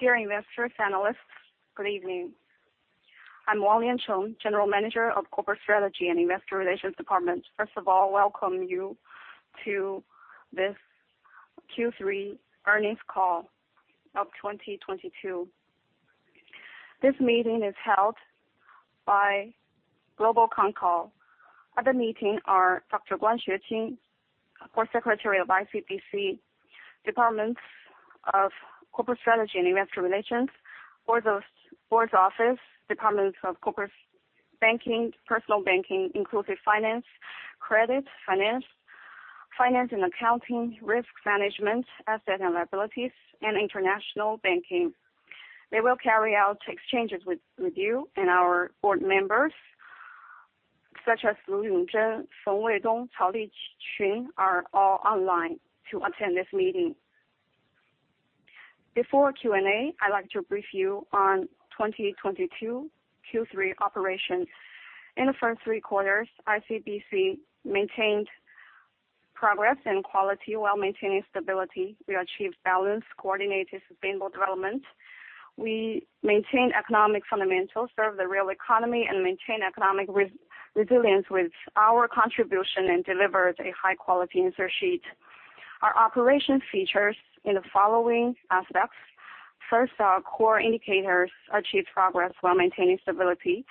Dear investors, analysts, good evening. I'm Wang Liancheng, General Manager of Corporate Strategy and Investor Relations Department. First of all, welcome you to this Q3 earnings call of 2022. This meeting is held by global conference call. At the meeting are Dr. Guan Xueqing, Board Secretary of ICBC, Departments of Corporate Strategy and Investor Relations, Board's Office, Departments of Corporate Banking, Personal Banking, Inclusive Finance, Credit, Finance and Accounting, Risk Management, Asset and Liability, and International Banking. They will carry out exchanges with you and our board members, such as Lu Yongzhen, Feng Weidong, Cao Liqun, are all online to attend this meeting. Before Q&A, I'd like to brief you on 2022 Q3 operations. In the first three quarters, ICBC maintained progress and quality while maintaining stability. We achieved balanced, coordinated, sustainable development. We maintain economic fundamentals, serve the real economy, and maintain economic resilience with our contribution and delivered a high quality balance sheet. Our operation features in the following aspects. First, our core indicators achieved progress while maintaining stability.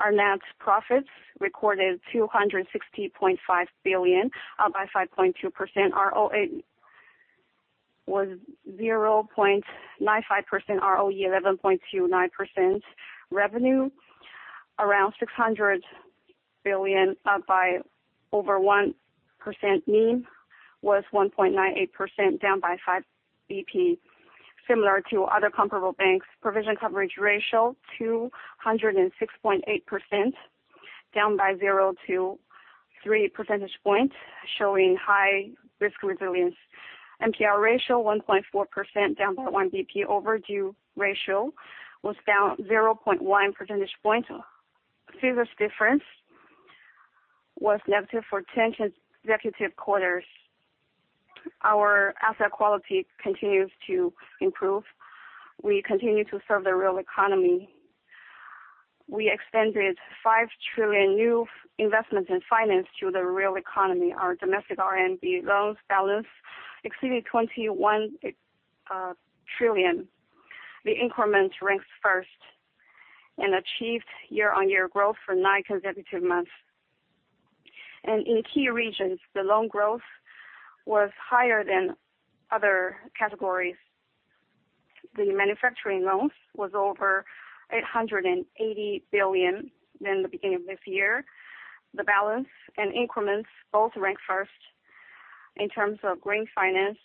Our net profit recorded 260.5 billion, up by 5.2%. ROA was 0.95%, ROE 11.29%. Revenue around 600 billion, up by over 1%. NIM was 1.98%, down by 5 basis points. Similar to other comparable banks, provision coverage ratio 206.8%, down by 0-3 percentage points, showing high risk resilience. NPL ratio 1.4%, down by 1 basis point. Overdue ratio was down 0.1 percentage point. Serious delinquency was negative for 10 consecutive quarters. Our asset quality continues to improve. We continue to serve the real economy. We extended 5 trillion new investment and finance to the real economy. Our domestic RMB loans balance exceeded 21 trillion. The increment ranks first and achieved year-on-year growth for nine consecutive months. In key regions, the loan growth was higher than other categories. The manufacturing loans was over 880 billion from the beginning of this year. The balance and increments both ranked first. In terms of green finance,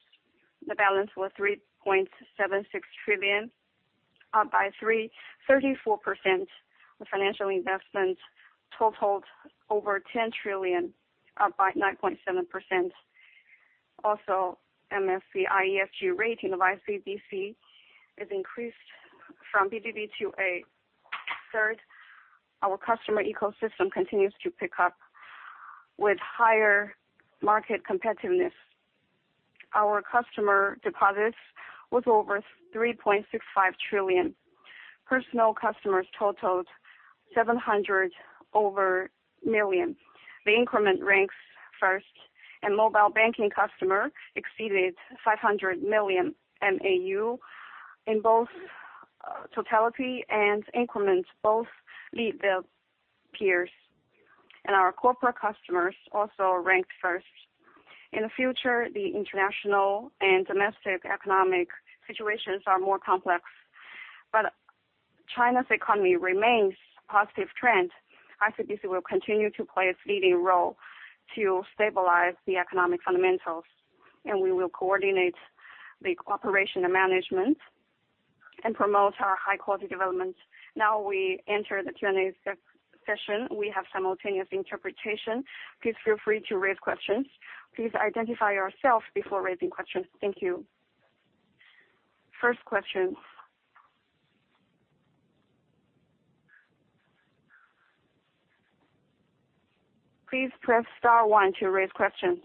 the balance was 3.76 trillion, up 34%. The financial investment totaled over 10 trillion, up 9.7%. Also, MSCI ESG rating of ICBC increased from BBB to A. Third, our customer ecosystem continues to pick up with higher market competitiveness. Our customer deposits was over 3.65 trillion. Personal customers totaled 700 million. The increment ranks first, and mobile banking customer exceeded 500 million MAU. In both totality and increments, both lead their peers. Our corporate customers also ranked first. In the future, the international and domestic economic situations are more complex. China's economy remains positive trend. ICBC will continue to play a leading role to stabilize the economic fundamentals, and we will coordinate the cooperation and management and promote our high quality development. Now we enter the Q&A session. We have simultaneous interpretation. Please feel free to raise questions. Please identify yourself before raising questions. Thank you. First question. Please press star one to raise questions.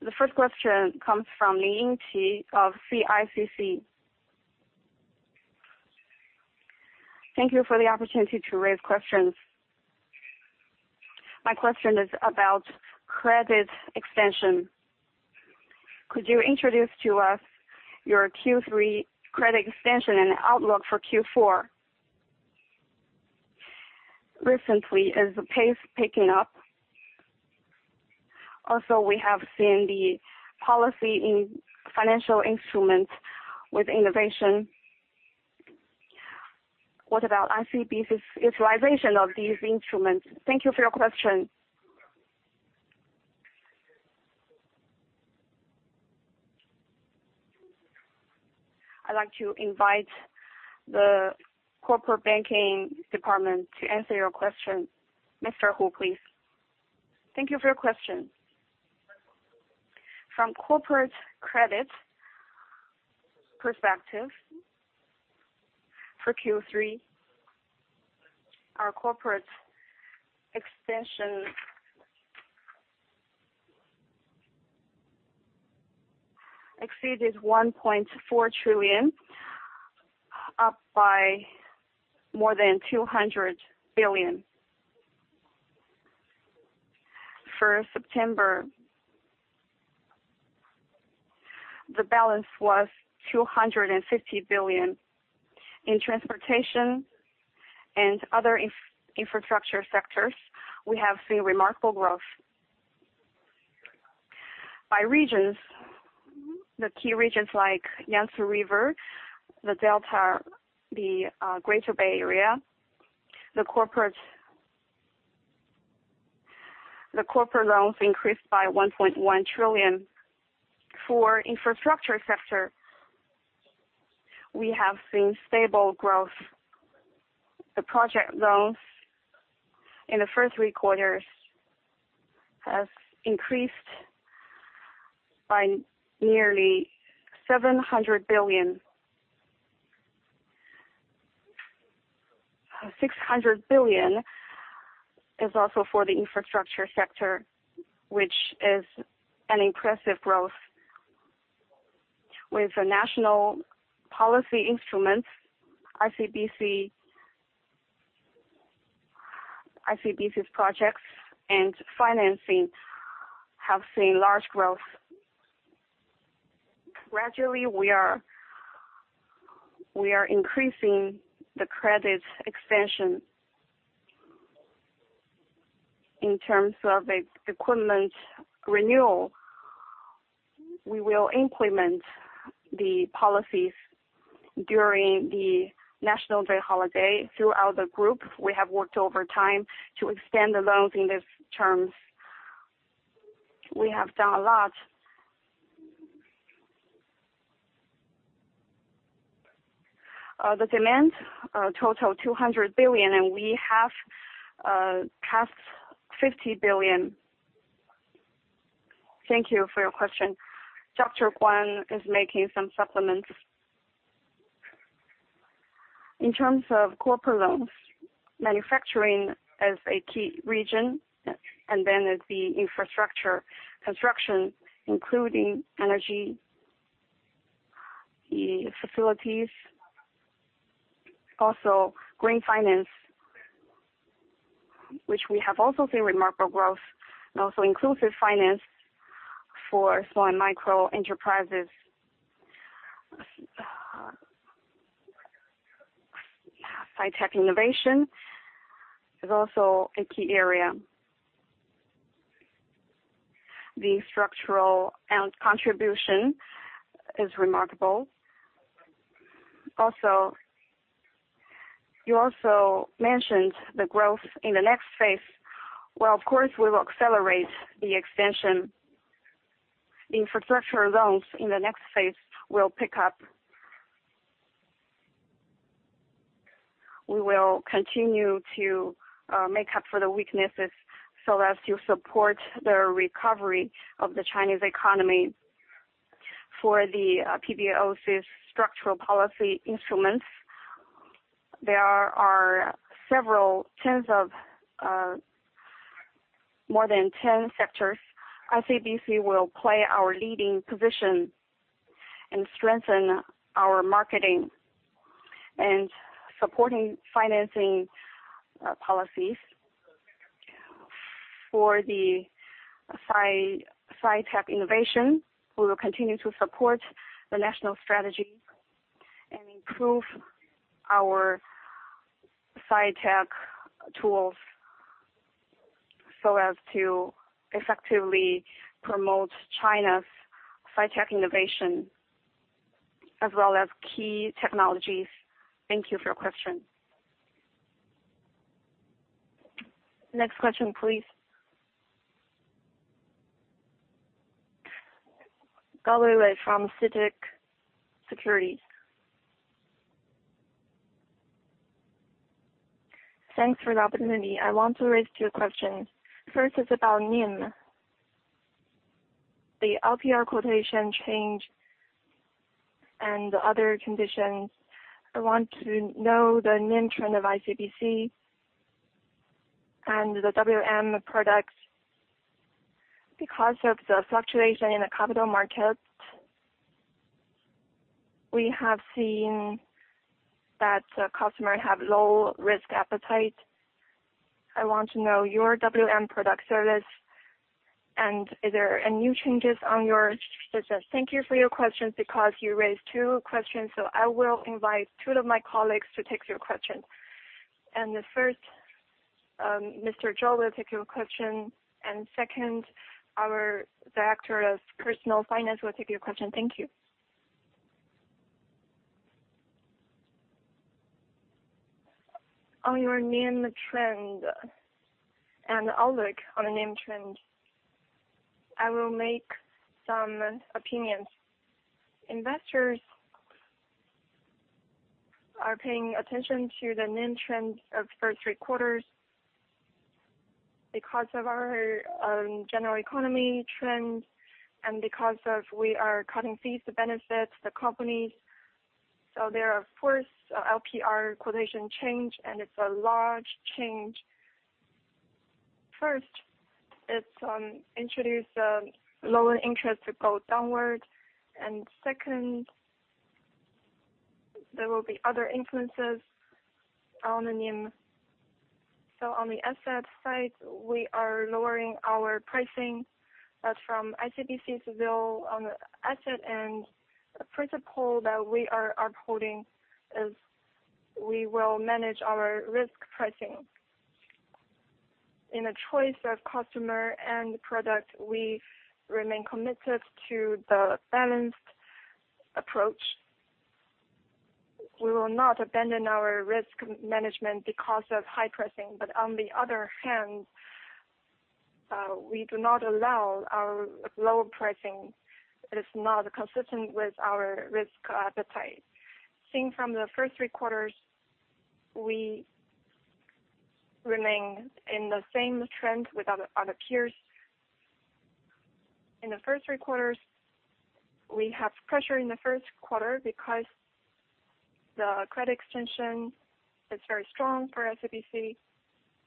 The first question comes from Lin Yingqi of CICC. Thank you for the opportunity to raise questions. My question is about credit extension. Could you introduce to us your Q3 credit extension and outlook for Q4? Recently, is the pace picking up? Also, we have seen the policy on financial instruments with innovation. What about ICBC's utilization of these instruments? Thank you for your question. I'd like to invite the Corporate Banking Department to answer your question. Mr. Hu, please. Thank you for your question. From corporate credit perspective for Q3, our corporate extension exceeded 1.4 trillion, up by more than 200 billion. For September, the balance was 250 billion. In transportation and other infrastructure sectors, we have seen remarkable growth. By regions, the key regions like Yangtze River Delta, Greater Bay Area, corporate loans increased by 1.1 trillion. For infrastructure sector, we have seen stable growth. The project loans in the first three quarters has increased by nearly 700 billion. 600 billion is also for the infrastructure sector, which is an impressive growth. With the national policy instruments, ICBC's projects and financing have seen large growth. Gradually, we are increasing the credit expansion. In terms of equipment renewal, we will implement the policies during the National Day holiday. Throughout the group, we have worked overtime to extend the loans in these terms. We have done a lot. The demand total 200 billion, and we have passed 50 billion. Thank you for your question. Dr. Guan is making some supplements. In terms of corporate loans, manufacturing is a key region, and then it'll be infrastructure, construction, including energy, the facilities, also green finance, which we have also seen remarkable growth, and also inclusive finance for small and micro-enterprises. Hi-tech innovation is also a key area. The structural and contribution is remarkable. Also, you also mentioned the growth in the next phase. Well, of course, we will accelerate the extension. The infrastructure loans in the next phase will pick up. We will continue to make up for the weaknesses so as to support the recovery of the Chinese economy. For the PBOC's structural policy instruments, there are several tens of more than 10 sectors. ICBC will play our leading position and strengthen our marketing and supporting financing policies. For the sci-tech innovation, we will continue to support the national strategy and improve our sci-tech tools so as to effectively promote China's sci-tech innovation as well as key technologies. Thank you for your question. Next question, please. [Gao Wei] from CITIC Securities. Thanks for the opportunity. I want to raise two questions. First is about NIM. The LPR quotation change and the other conditions, I want to know the NIM trend of ICBC and the WM products. Because of the fluctuation in the capital markets, we have seen that customers have low risk appetite. I want to know your WM product service and is there any changes on your business? Thank you for your question because you raised two questions, so I will invite two of my colleagues to take your question. The first, Mr. Zhou will take your question, and second, our Director of Personal Finance will take your question. Thank you. On your NIM trend and outlook on the NIM trend, I will make some opinions. Investors are paying attention to the NIM trend of first three quarters because of our general economy trends and because we are cutting fees to benefit the companies. There are forced LPR quotation change, and it's a large change. First, it's introducing lower interest to go downward. Second, there will be other influences on the NIM. On the asset side, we are lowering our pricing, but from ICBC's view on the asset and principle that we are upholding is we will manage our risk pricing. In a choice of customer and product, we remain committed to the balanced approach. We will not abandon our risk management because of high pricing. On the other hand, we do not allow our low pricing that is not consistent with our risk appetite. Seeing from the first three quarters, we remain in the same trend with other peers. In the first three quarters, we have pressure in the first quarter because the credit extension is very strong for ICBC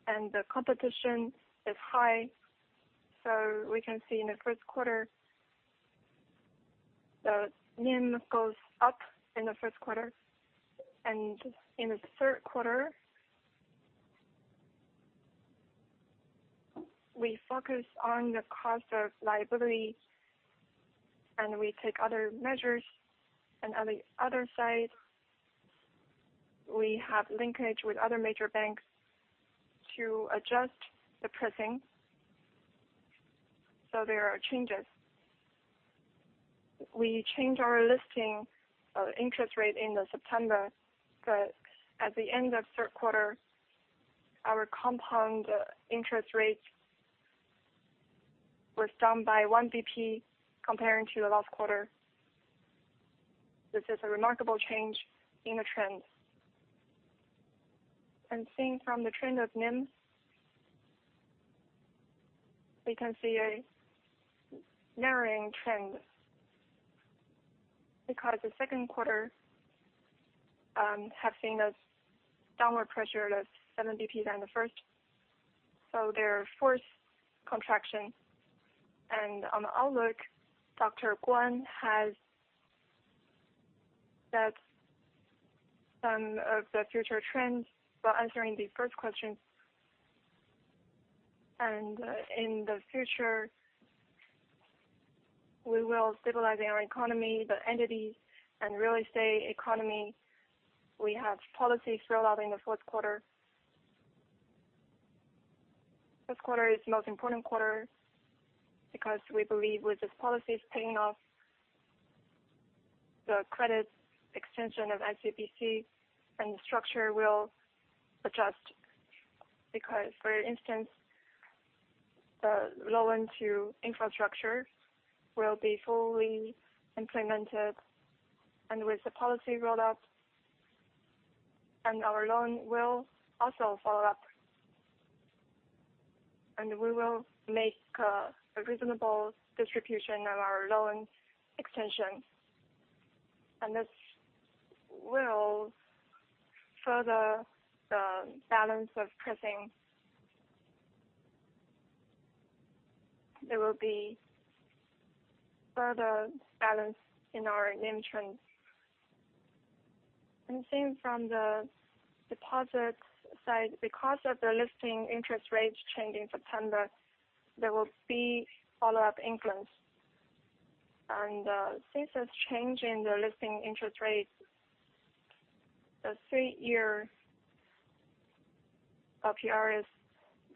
and the competition is high. We can see in the first quarter, the NIM goes up in the first quarter. In the third quarter, we focus on the cost of liability, and we take other measures. On the other side, we have linkage with other major banks to adjust the pricing. There are changes. We change our listing of interest rate in September, but at the end of third quarter, our compound interest rates were down by 1 basis point compared to the last quarter. This is a remarkable change in the trends. Seeing from the trend of NIM, we can see a narrowing trend because the second quarter have seen a downward pressure that's 7 basis points than the first, there are forced contraction. On outlook, Dr. Guan has that some of the future trends while answering the first question. In the future, we will stabilize our economy, the entity and real estate economy. We have policies roll out in the fourth quarter. This quarter is the most important quarter because we believe with these policies paying off, the credit extension of ICBC and the structure will adjust. Because, for instance, the loan to infrastructure will be fully implemented and with the policy rolled out, and our loan will also follow up. We will make a reasonable distribution of our loan extension, and this will further the balance of pricing. There will be further balance in our NIM trends. Seeing from the deposits side, because of the listing interest rates change in September, there will be follow-up influence. Since it's changing the listing interest rates, the three-year LPR is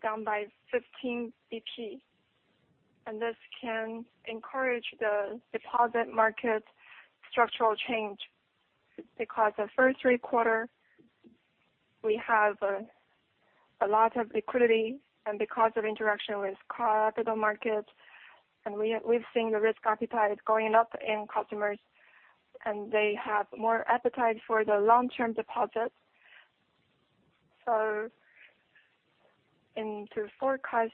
down by 15 basis points, and this can encourage the deposit market structural change. Because the first three quarters, we have a lot of liquidity and because of interaction with capital markets, and we've seen the risk appetite going up in customers, and they have more appetite for the long-term deposit. To forecast,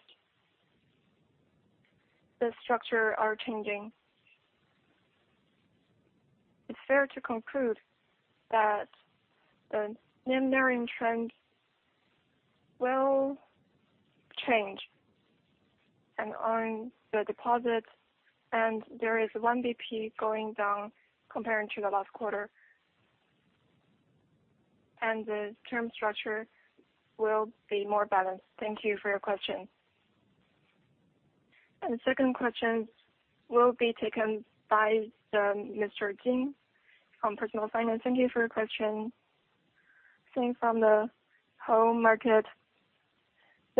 the structure are changing. It's fair to conclude that the NIM narrowing trend will change. On the deposits, and there is 1 basis point going down comparing to the last quarter. The term structure will be more balanced. Thank you for your question. Second question will be taken by Mr. Jing on Personal Finance. Thank you for your question. Seeing from the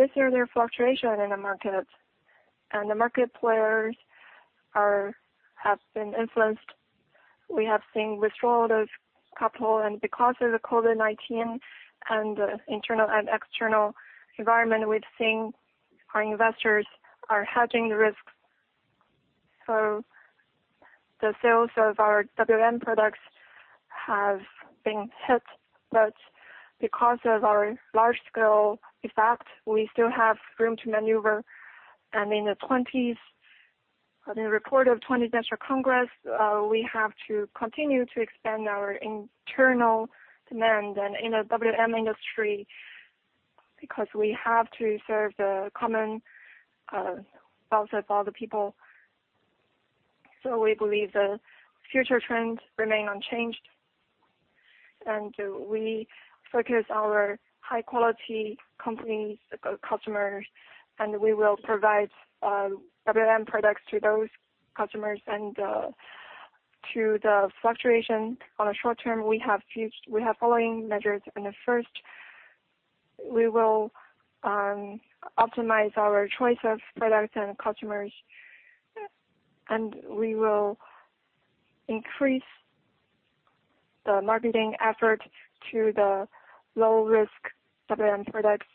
whole market. This year, there are fluctuation in the markets, and the market players have been influenced. We have seen withdrawal of capital, and because of the COVID-19 and internal and external environment, we've seen our investors are hedging risks. The sales of our WM products have been hit. Because of our large scale effect, we still have room to maneuver. In the report of 20th National Congress, we have to continue to expand our internal demand and in the WM industry, because we have to serve the common welfare of all the people. We believe the future trends remain unchanged, and we focus our high quality companies customers, and we will provide WM products to those customers. To the fluctuation in a short term, we have the following measures. The first, we will optimize our choice of products and customers, and we will increase the marketing effort to the low-risk WM products.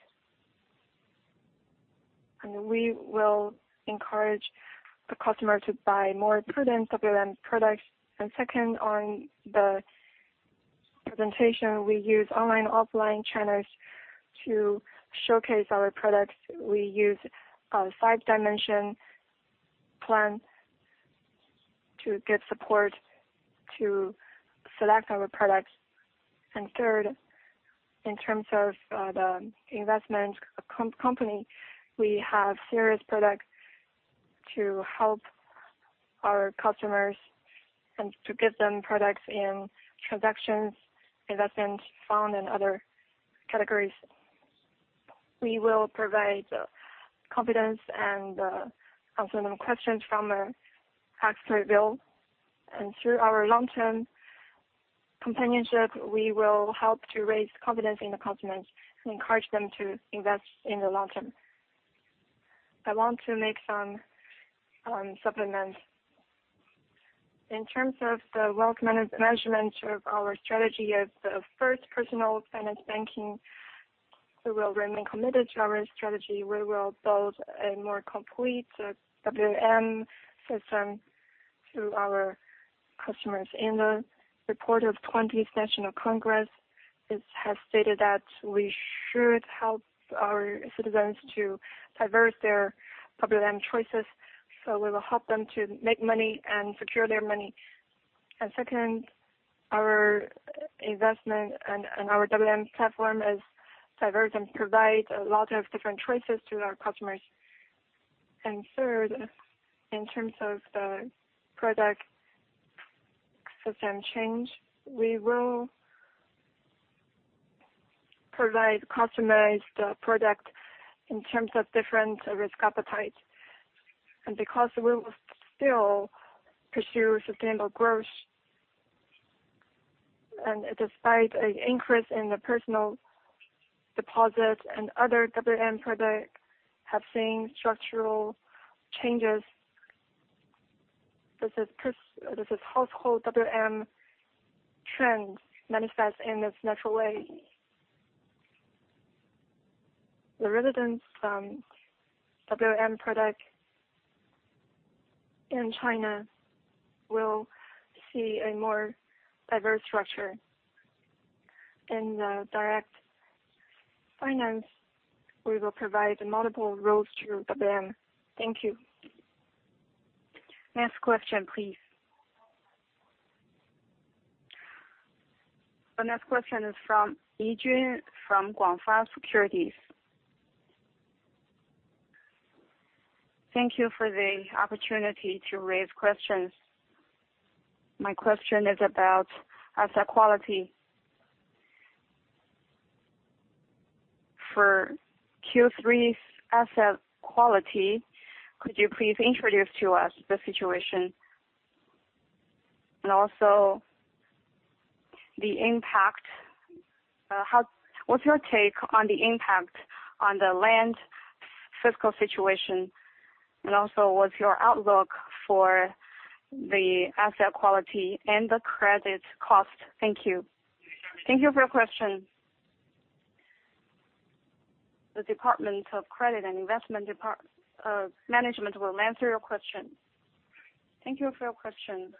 We will encourage the customer to buy more prudent WM products. Second, on the presentation, we use online, offline channels to showcase our products. We use a five-dimensional plan to get support to select our products. Third, in terms of the investment company, we have various products to help our customers and to give them products in transactions, investments, funds, and other categories. We will provide the confidence and answer any questions from a tax advisor. Through our long-term companionship, we will help to raise confidence in the customers and encourage them to invest in the long term. I want to make some supplements. In terms of the wealth management of our strategy as the first personal finance banking, we will remain committed to our strategy. We will build a more complete WM system to our customers. In the report of 20th National Congress, it has stated that we should help our citizens to diversify their WM choices, so we will help them to make money and secure their money. Second, our investment and our WM platform is diverse and provide a lot of different choices to our customers. Third, in terms of the product system change, we will provide customized product in terms of different risk appetite. Because we will still pursue sustainable growth, and despite an increase in the personal deposits and other WM products have seen structural changes, this is household WM trends manifest in this natural way. The residents WM product in China will see a more diverse structure. In the direct finance, we will provide multiple routes to the bank. Thank you. Next question, please. The next question is from Yijian from Guangfa Securities. Thank you for the opportunity to raise questions. My question is about asset quality. For Q3's asset quality, could you please introduce to us the situation and also the impact? What's your take on the impact on the land fiscal situation, and also what's your outlook for the asset quality and the credit cost? Thank you. Thank you for your question. The Department of Credit and Investment Management will answer your question. Thank you for your question.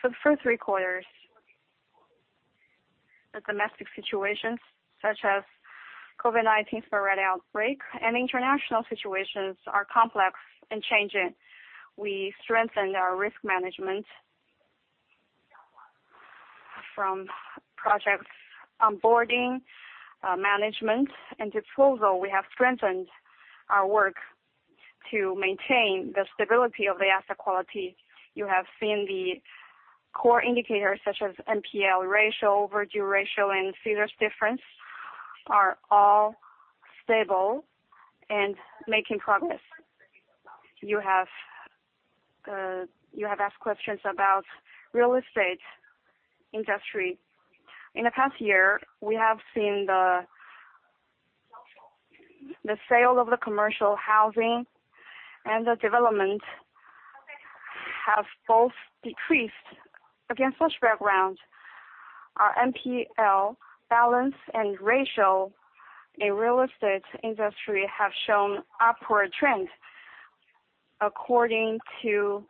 For the first three quarters, the domestic situations such as COVID-19 sporadic outbreak and international situations are complex and changing. We strengthened our risk management from project onboarding, management, and disposal. We have strengthened our work to maintain the stability of the asset quality. You have seen the core indicators such as NPL ratio, overdue ratio, and fee loss difference are all stable and making progress. You have- You have asked questions about real estate industry. In the past year, we have seen the sale of the commercial housing and the development have both decreased. Against such background, our NPL balance and ratio in real estate industry have shown upward trend. According to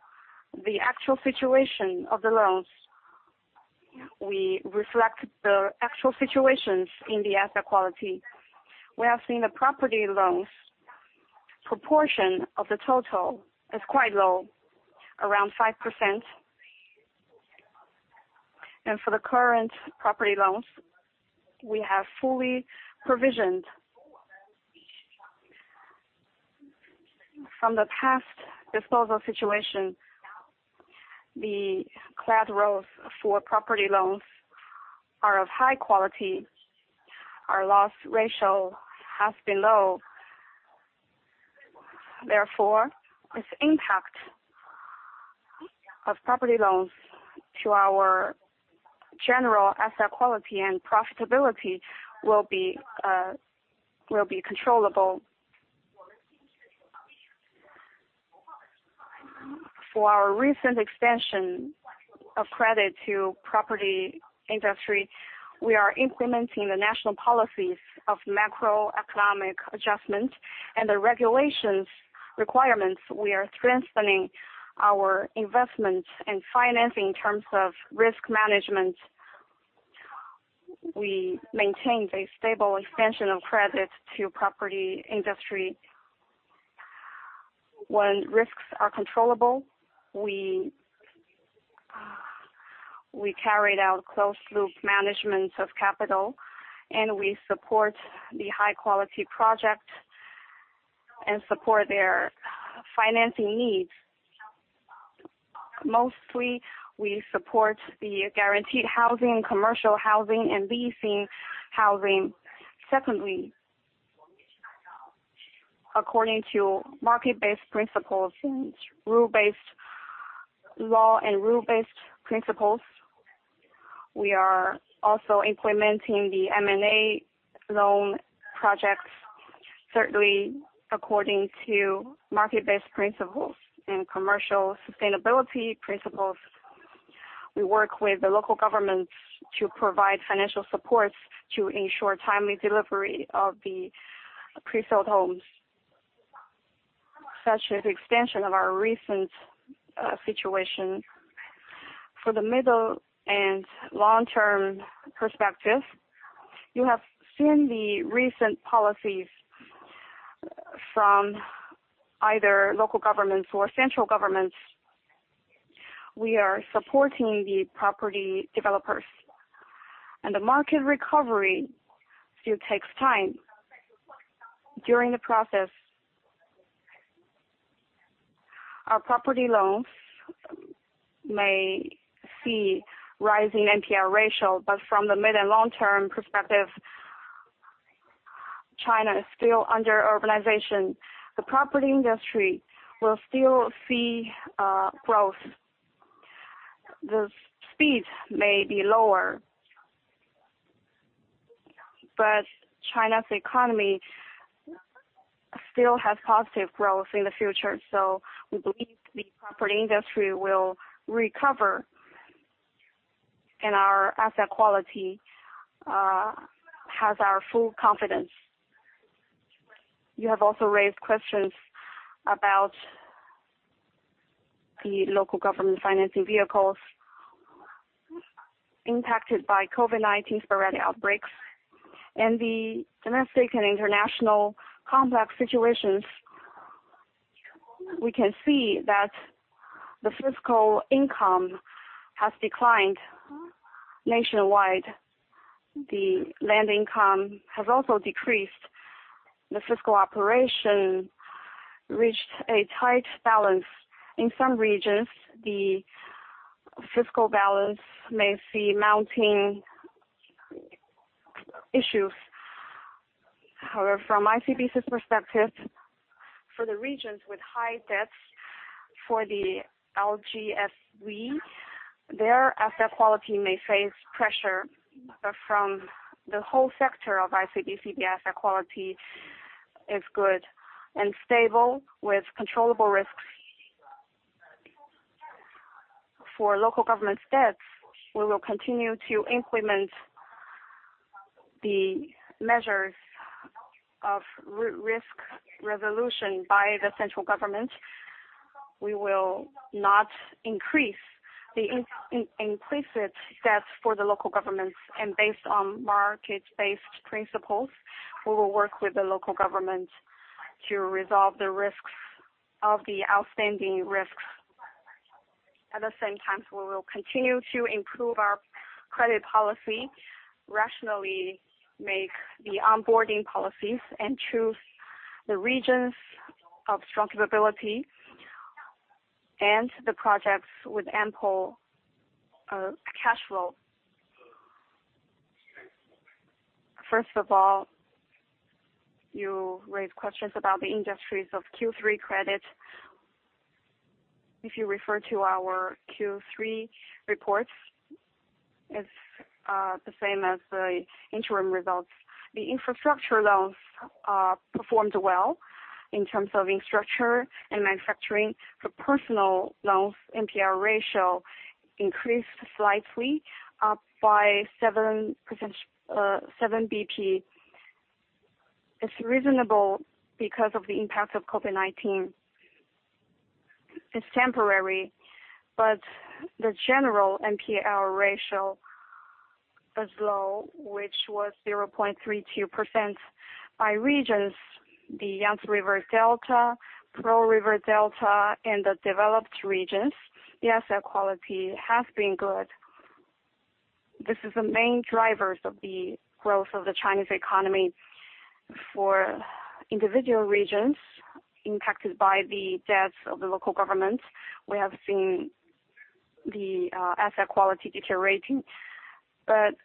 the actual situation of the loans, we reflect the actual situations in the asset quality. We have seen the property loans proportion of the total is quite low, around 5%. For the current property loans, we have fully provisioned. From the past disposal situation, the collateral for property loans is of high quality. Our loss ratio has been low. Therefore, its impact of property loans to our general asset quality and profitability will be controllable. For our recent extension of credit to property industry, we are implementing the national policies of macroeconomic adjustment and the regulatory requirements. We are strengthening our investments and financing in terms of risk management. We maintain a stable extension of credit to property industry. When risks are controllable, we carried out close loop management of capital, and we support the high quality project and support their financing needs. Mostly, we support the guaranteed housing, commercial housing, and leasing housing. Secondly, according to market-based principles and rule of law and rule-based principles, we are also implementing the M&A loan projects, certainly according to market-based principles and commercial sustainability principles. We work with the local governments to provide financial supports to ensure timely delivery of the pre-sold homes, such as extension of our recent situation. For the medium- and long-term perspective, you have seen the recent policies from either local governments or central governments. We are supporting the property developers. The market recovery still takes time. During the process, our property loans may see rising NPL ratio. From the mid and long-term perspective, China is still undergoing urbanization. The property industry will still see growth. The speed may be lower. China's economy still has positive growth in the future, so we believe the property industry will recover, and we have full confidence in our asset quality. You have also raised questions about the local government financing vehicles impacted by COVID-19 sporadic outbreaks and the domestic and international complex situations. We can see that the fiscal income has declined nationwide. The land income has also decreased. The fiscal operation reached a tight balance. In some regions, the fiscal balance may see mounting issues. However, from ICBC's perspective, for the regions with high debts for the LGFV, their asset quality may face pressure. From the whole sector of ICBC, the asset quality is good and stable, with controllable risks. For local government's debts, we will continue to implement the measures of risk resolution by the central government. We will not increase the implicit debts for the local governments. Based on market-based principles, we will work with the local government to resolve the risks of the outstanding risks. At the same time, we will continue to improve our credit policy, rationally make the onboarding policies, and choose the regions of strong capability and the projects with ample cash flow. First of all, you raised questions about the industries of Q3 credit. If you refer to our Q3 reports, it's the same as the interim results. The infrastructure loans performed well in terms of infrastructure and manufacturing. For personal loans, NPL ratio increased slightly by 7 basis points. It's reasonable because of the impact of COVID-19. It's temporary, but the general NPL ratio is low, which was 0.32%. By regions, the Yangtze River Delta, Pearl River Delta, and the developed regions, the asset quality has been good. This is the main drivers of the growth of the Chinese economy. For individual regions impacted by the debts of the local government, we have seen the asset quality deteriorating. But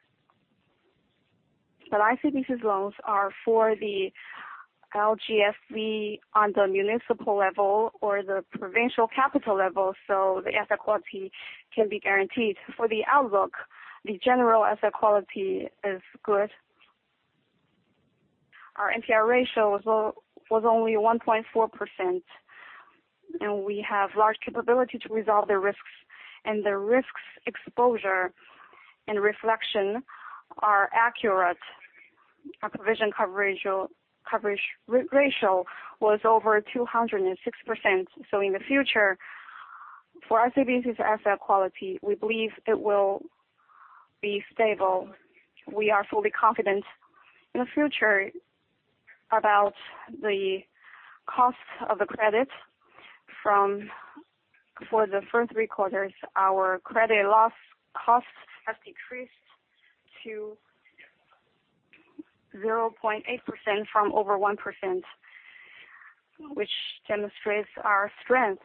ICBC's loans are for the LGFV on the municipal level or the provincial capital level, so the asset quality can be guaranteed. For the outlook, the general asset quality is good. Our NPL ratio was only 1.4%, and we have large capability to resolve the risks. The risks exposure and reflection are accurate. Our provision coverage ratio was over 206%. In the future, for ICBC's asset quality, we believe it will be stable. We are fully confident in the future about the cost of the credit. For the first three quarters, our credit loss costs have decreased to 0.8% from over 1%, which demonstrates our strength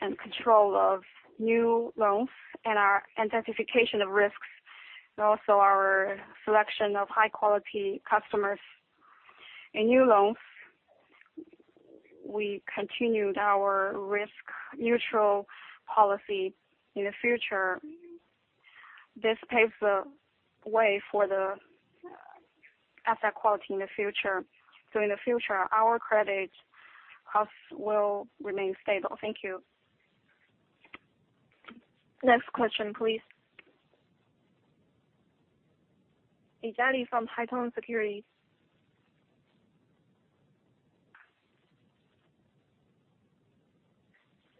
and control of new loans and our identification of risks, and also our selection of high-quality customers. In new loans, we continued our risk neutral policy. In the future, this paves the way for the asset quality in the future. In the future, our credit costs will remain stable. Thank you. Next question, please. Li Jiali from Haitong Securities.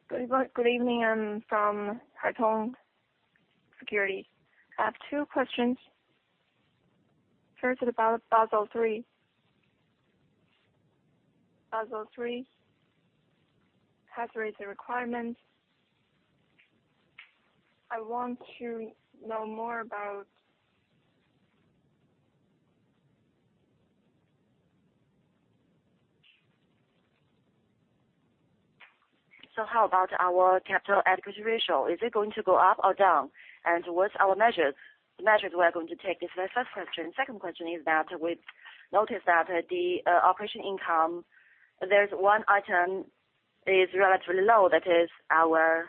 Good evening. I'm from Haitong Securities. I have two questions. First is about Basel III. Basel III has raised the requirements. I want to know more about. How about our capital adequacy ratio? Is it going to go up or down? What's our measures we are going to take? This is my first question. Second question is that we've noticed that the operating income, there's one item is relatively low, that is our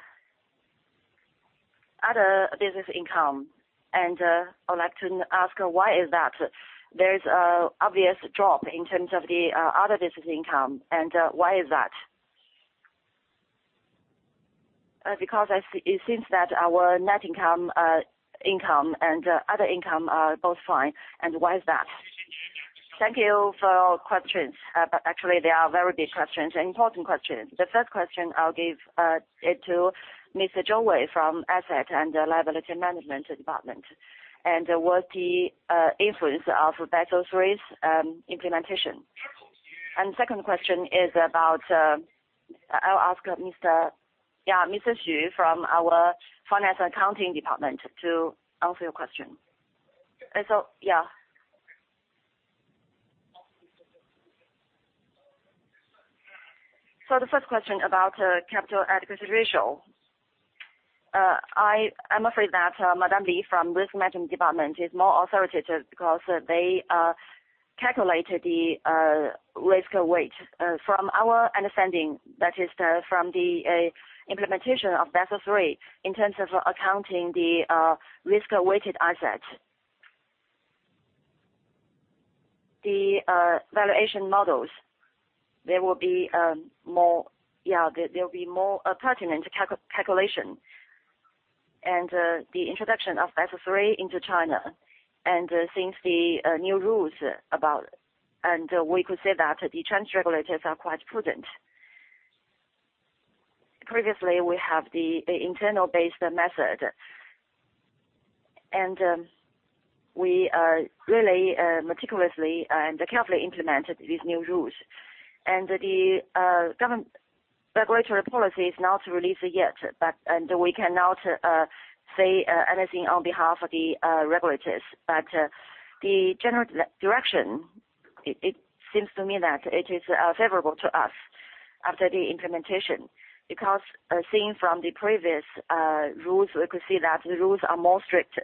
other business income. I'd like to ask why is that? There is a obvious drop in terms of the other business income, and why is that? Because it seems that our net interest income and other income are both fine, and why is that? Thank you for your questions. Actually they are very big questions and important questions. The first question, I'll give it to Mr. Zhou Wei from Asset and Liability Management Department, and the influence of Basel III's implementation. Second question is about. I'll ask Mr. [Xu] from our Finance Accounting Department to answer your question. Yeah. So the first question about capital adequacy ratio. I'm afraid that Madame Li from Risk Management Department is more authoritative because they calculated the risk weight. From our understanding, that is, from the implementation of Basel III, in terms of accounting the risk-weighted assets. The valuation models, there will be more. Yeah, there will be more pertinent calculation. The introduction of Basel III into China. We could say that the Chinese regulators are quite prudent. Previously, we have the internal-based method, and we are really meticulously and carefully implemented these new rules. Government regulatory policy is not released yet, and we cannot say anything on behalf of the regulators. The general direction, it seems to me that it is favorable to us. After the implementation, because seeing from the previous rules, we could see that the rules are more strict.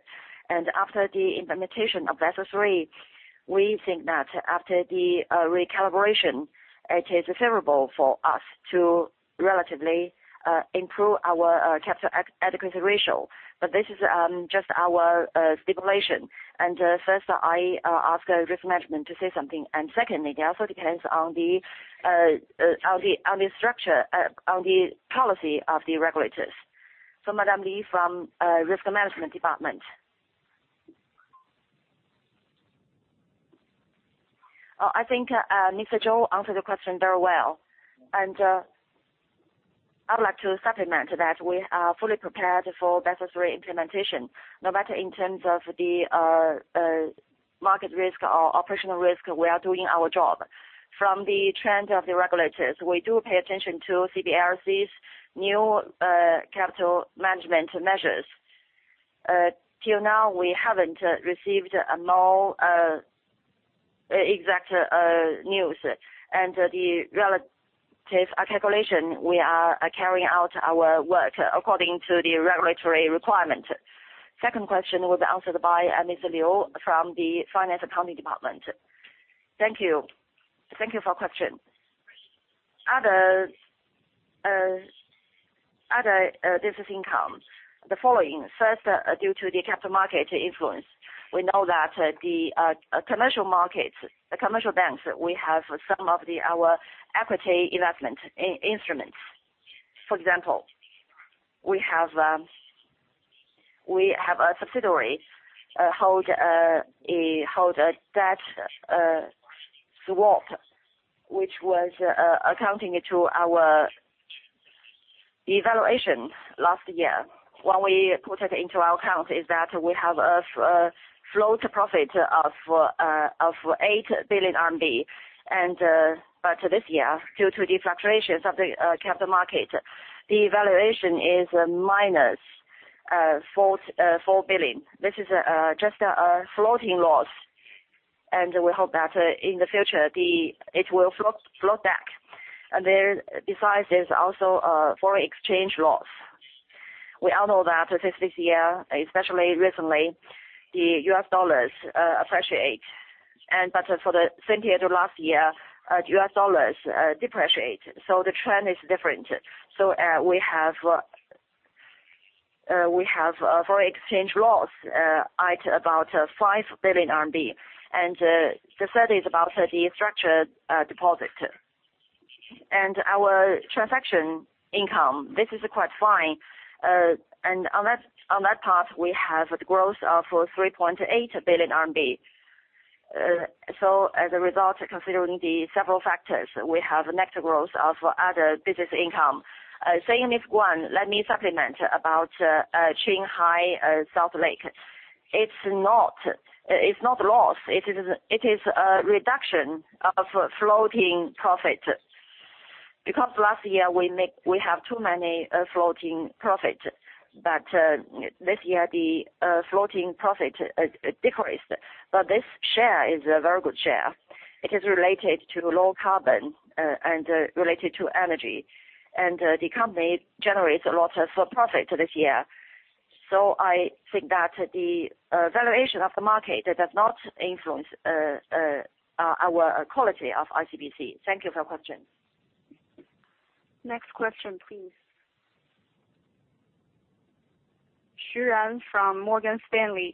After the implementation of Basel III, we think that after the recalibration, it is favorable for us to relatively improve our capital adequacy ratio. This is just our simulation. First, I ask risk management to say something. Secondly, it also depends on the structure, on the policy of the regulators. Madame Li from risk management department. I think Mr. Zhou answered the question very well. I'd like to supplement that we are fully prepared for Basel III implementation. No matter in terms of the market risk or operational risk, we are doing our job. From the trend of the regulators, we do pay attention to CBRC's new capital management measures. Till now, we haven't received a more exact news. The relative calculation, we are carrying out our work according to the regulatory requirement. Second question was answered by Mr. Liu from the Finance Accounting Department. Thank you. Thank you for question. Other business income, the following. First, due to the capital market influence, we know that the commercial markets, the commercial banks, we have some of our equity investment in instruments. For example, we have a subsidiary holds a debt swap, which was accounting according to our evaluation last year. When we put it into our account is that we have a floating profit of 8 billion RMB. This year, due to the fluctuations of the capital market, the evaluation is -4 billion. This is just a floating loss, and we hope that in the future, it will float back. Besides, there's also a foreign exchange loss. We all know that this year, especially recently, the US dollars appreciate. For the same period of last year, US dollars depreciate. The trend is different. We have a foreign exchange loss at about 5 billion RMB. The third is about the structured deposit. Our transaction income, this is quite fine. On that part, we have the growth of 3.8 billion RMB. As a result, considering the several factors, we have net growth of other business income. Saying this one, let me supplement about Qinghai Salt Lake. It's not loss. It is a reduction of floating profit. Because last year we have too many floating profit, but this year the floating profit, it decreased. This share is a very good share. It is related to low carbon and related to energy. The company generates a lot of profit this year. I think that the valuation of the market, it does not influence our quality of ICBC. Thank you for your question. Next question, please. Xu Yan from Morgan Stanley.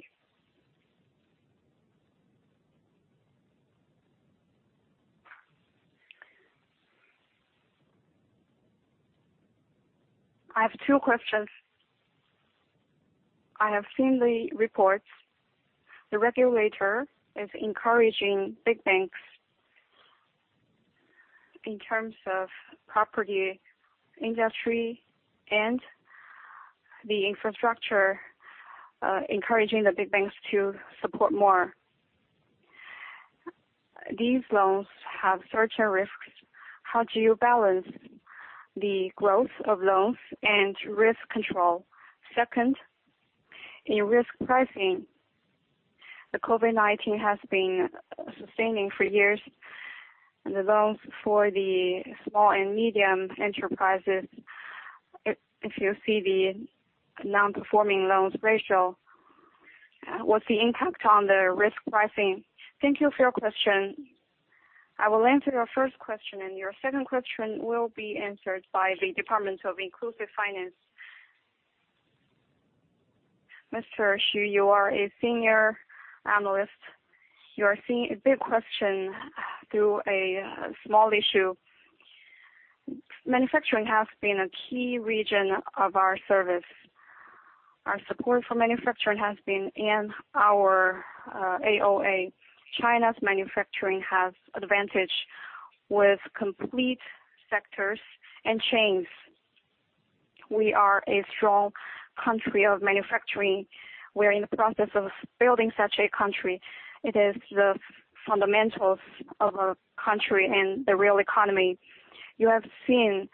I have two questions. I have seen the reports. The regulator is encouraging big banks in terms of property industry and the infrastructure, encouraging the big banks to support more. These loans have such risks. How do you balance the growth of loans and risk control? Second, in risk pricing, the COVID-19 has been sustaining for years, and the loans for the small and medium enterprises, if you see the non-performing loans ratio, what's the impact on the risk pricing? Thank you for your question. I will answer your first question, and your second question will be answered by the Department of Inclusive Finance. Mr. Xu, you are a Senior Analyst. You are seeing a big question through a small issue. Manufacturing has been a key region of our service. Our support for manufacturing has been in our DNA. China's manufacturing has advantage with complete sectors and chains. We are a strong country of manufacturing. We are in the process of building such a country. It is the fundamentals of a country and the real economy. You have seen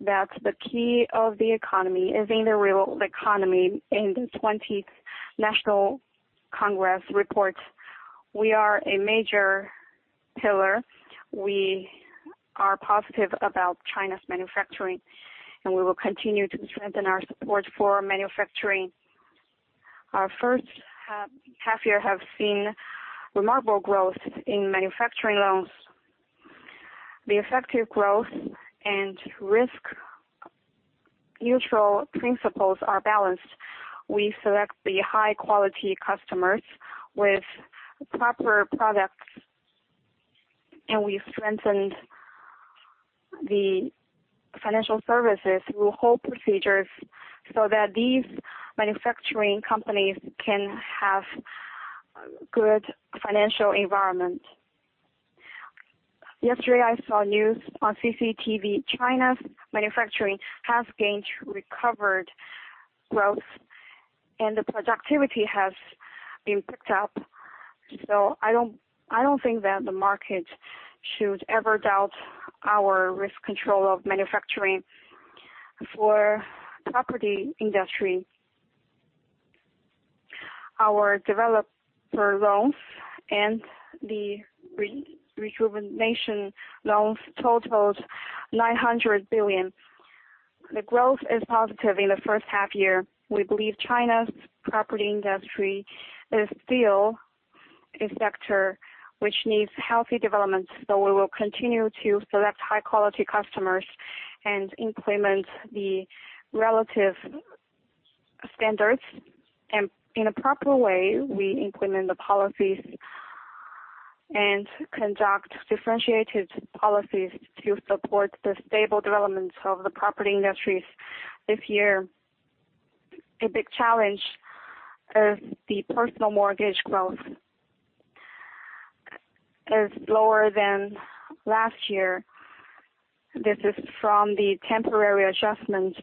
that the key of the economy is in the real economy in the 20th National Congress reports. We are a major pillar. We are positive about China's manufacturing, and we will continue to strengthen our support for manufacturing. Our first half year have seen remarkable growth in manufacturing loans. The effective growth and risk neutral principles are balanced. We select the high quality customers with proper products, and we've strengthened the financial services through whole procedures so that these manufacturing companies can have good financial environment. Yesterday, I saw news on CCTV. China's manufacturing has gained recovered growth and the productivity has been picked up. I don't think that the market should ever doubt our risk control of manufacturing. For property industry, our developer loans and the rejuvenation loans total 900 billion. The growth is positive in the first half year. We believe China's property industry is still a sector which needs healthy development. We will continue to select high quality customers and implement the relative standards. In a proper way, we implement the policies and conduct differentiated policies to support the stable development of the property industries this year. A big challenge is the personal mortgage growth is lower than last year. This is from the temporary adjustment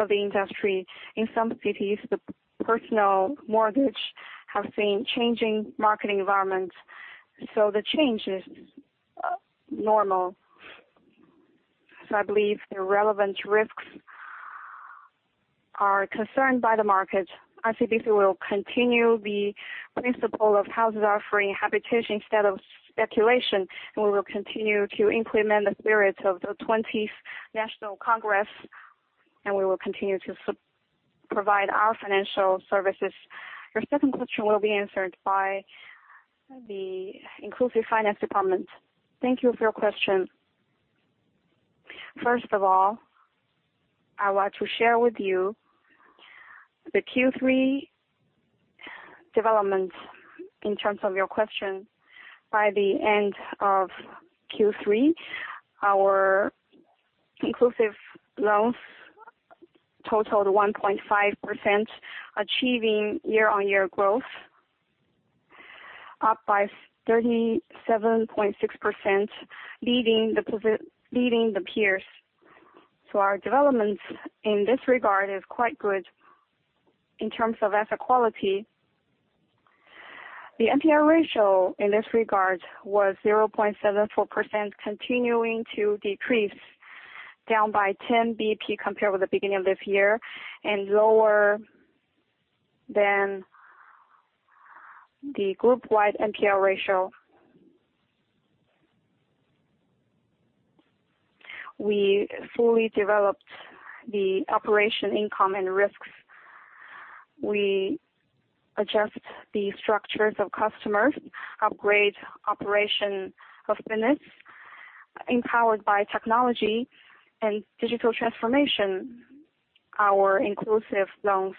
of the industry. In some cities, the personal mortgage have seen changing market environments. The change is normal. I believe the relevant risks are concerned by the market. ICBC will continue the principle of houses are for inhabitation instead of speculation, and we will continue to implement the spirit of the 20th National Congress, and we will continue to provide our financial services. Your second question will be answered by the Inclusive Finance Department. Thank you for your question. First of all, I want to share with you the Q3 developments in terms of your question. By the end of Q3, our inclusive loans totaled 1.5%, achieving year-on-year growth, up by 37.6%, leading the peers. Our developments in this regard is quite good. In terms of asset quality, the NPL ratio in this regard was 0.74%, continuing to decrease, down by 10 basis points compared with the beginning of this year and lower than the group-wide NPL ratio. We fully developed the operation income and risks. We adjust the structures of customers, upgrade operation of business, empowered by technology and digital transformation, our inclusive loans.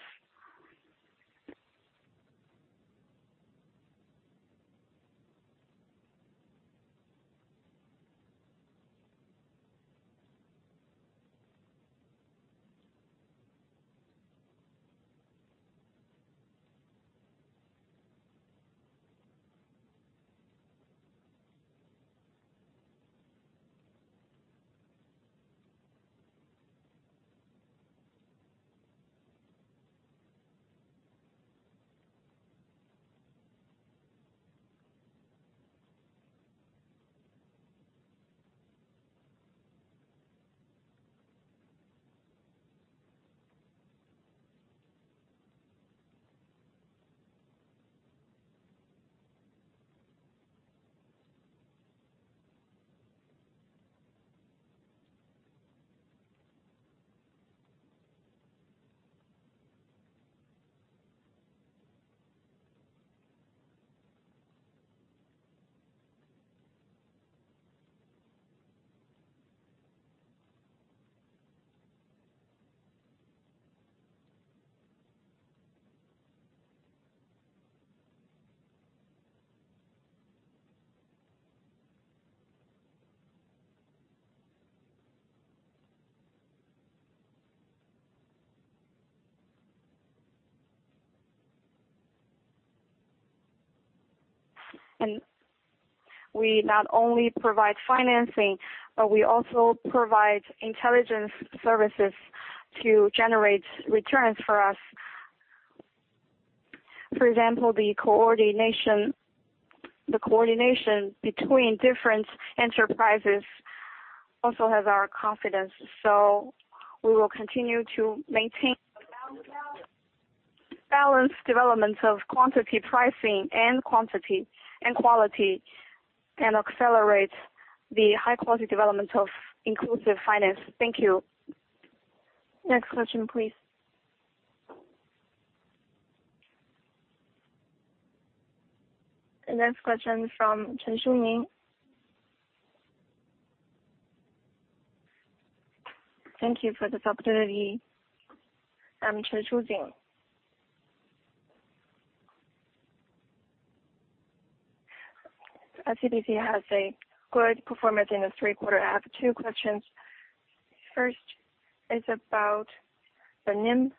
We not only provide financing, but we also provide intelligence services to generate returns for us. For example, the coordination between different enterprises. Also has our confidence. We will continue to maintain balanced development of quantity pricing and quantity and quality, and accelerate the high quality development of inclusive finance. Thank you. Next question, please. The next question from [Shuning Chen]. Thank you for this opportunity. I'm [Shuning Chen]. ICBC has a good performance in the third quarter. I have two questions. First is about the NIM.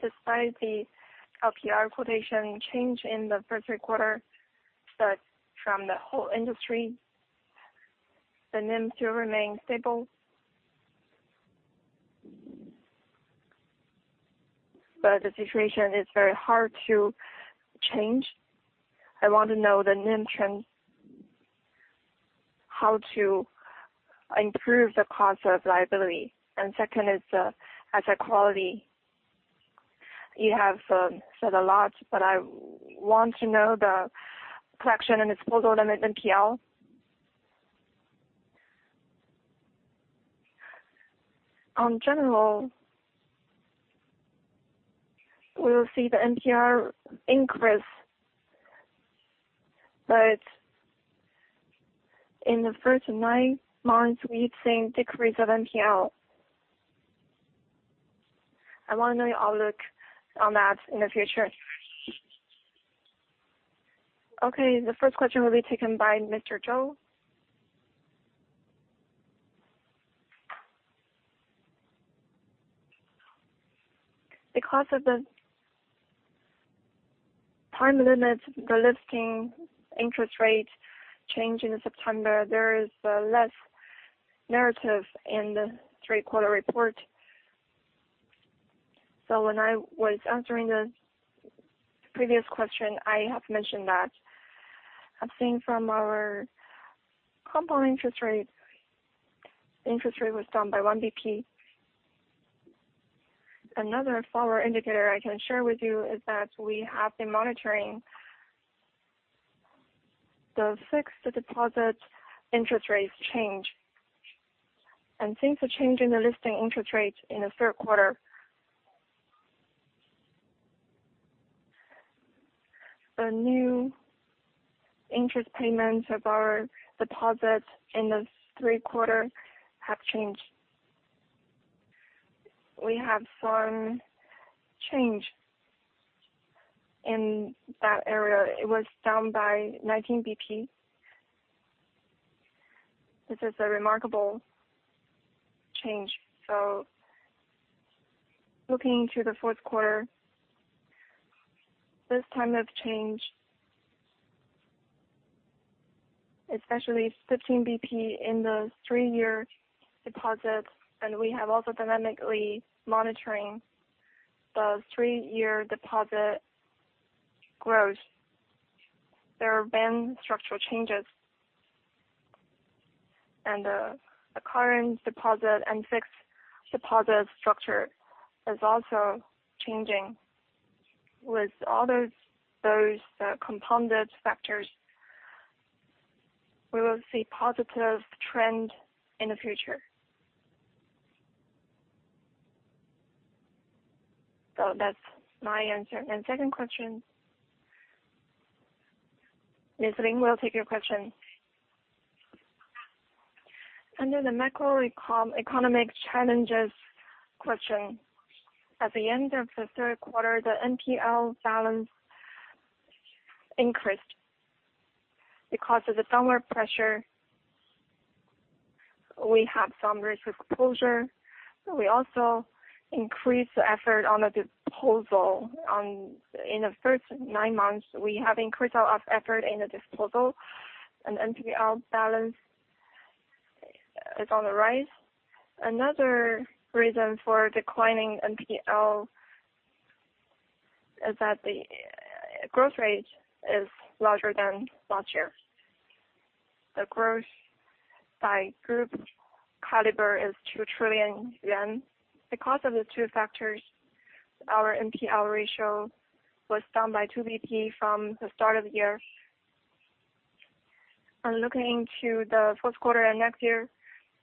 Despite the LPR quotation change in the first three quarters, from the whole industry, the NIM still remain stable. The situation is very hard to change. I want to know the NIM trend, how to improve the cost of liability. Second is the asset quality. You have said a lot, but I want to know the collection and disposal limit NPL. In general, we will see the NPL increase. In the first nine months, we've seen decrease of NPL. I wanna know your outlook on that in the future. Okay. The first question will be taken by Mr. Zhou. Because of the time limits, the LPR change in September, there is less narrative in the third quarter report. When I was answering the previous question, I have mentioned that. I've seen from our compound interest rate, interest rate was down by 1 basis point. Another forward indicator I can share with you is that we have been monitoring the fixed deposit interest rates change. Since the change in the listing interest rate in the third quarter. The new interest payments of our deposit in the third quarter have changed. We have some change in that area. It was down by 19 basis points. This is a remarkable change. Looking to the fourth quarter, this time of change, especially 15 basis points in the three-year deposit, and we have also dynamically monitoring the three-year deposit growth. There have been structural changes, and the current deposit and fixed deposit structure is also changing. With all those compounded factors, we will see positive trend in the future. That's my answer. Second question. Ms. Liao Lin will take your question. Under the macroeconomic challenges question, at the end of the third quarter, the NPL balance increased. Because of the downward pressure, we have some risk exposure. We also increased the effort on the disposal. In the first nine months, we have increased our effort in the disposal and NPL balance is on the rise. Another reason for declining NPL is that the growth rate is larger than last year. The growth by group caliber is 2 trillion yuan. Because of the two factors, our NPL ratio was down by 2 basis points from the start of the year. Looking into the fourth quarter and next year,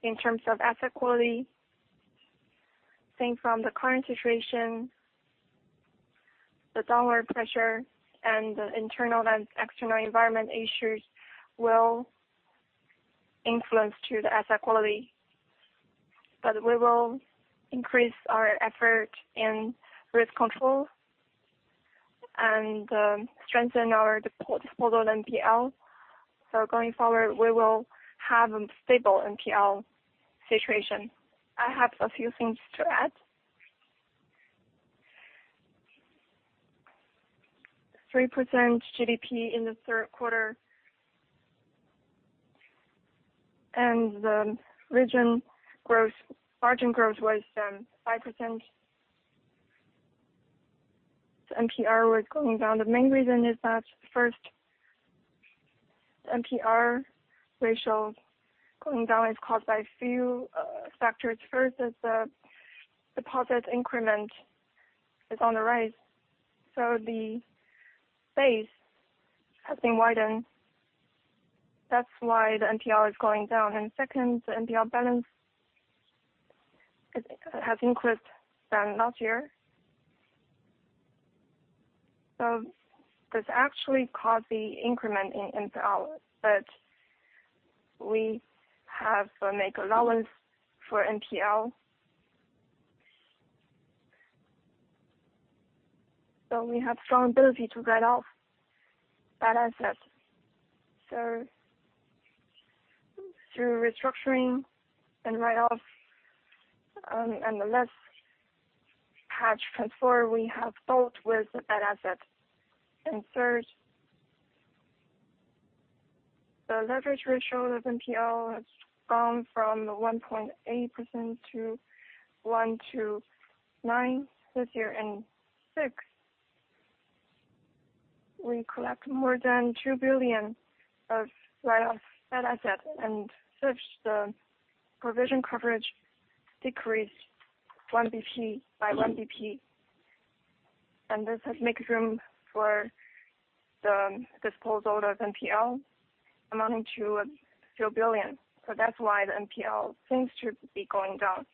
in terms of asset quality, seeing from the current situation, the downward pressure and the internal and external environment issues will influence to the asset quality. We will increase our effort in risk control and strengthen our debt disposal NPL. Going forward, we will have a stable NPL situation. I have a few things to add. 3% GDP in the third quarter. The revenue growth, margin growth was 5%. The NPL was going down. The main reason is that first NPL ratio going down is caused by a few factors. First is the deposit increment is on the rise, so the base has been widened. That's why the NPL is going down. Second, the NPL balance has increased than last year. This actually caused the increment in NPL, but we have made allowance for NPL. We have strong ability to write off bad assets. Through restructuring and write-off, and the batch transfer, we have dealt with the bad asset. Third, the leverage ratio of NPL has gone from 1.8% to 1.9% this year. Six, we collect more than 2 billion of write-off bad asset, and as such the provision coverage decreased by 1 basis point. This has make room for the disposal of NPL amounting to a few billion. That's why the NPL seems to be going down.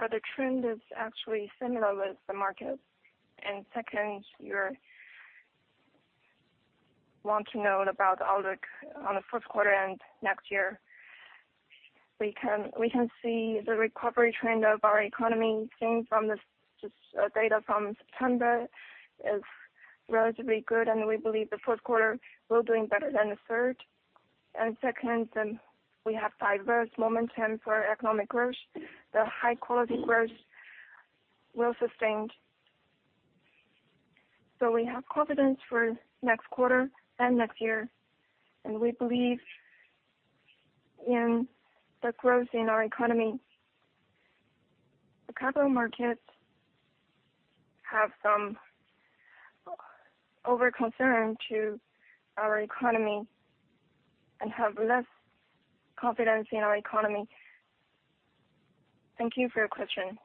The trend is actually similar to the market. Second, you want to know about outlook on the fourth quarter and next year. We can see the recovery trend of our economy, seen from this data from September, is relatively good, and we believe the fourth quarter will doing better than the third. Second, then we have diversified momentum for economic growth. The high-quality growth will sustained. We have confidence for next quarter and next year, and we believe in the growth in our economy. The capital markets have some over-concern to our economy and have less confidence in our economy. Thank you for your question.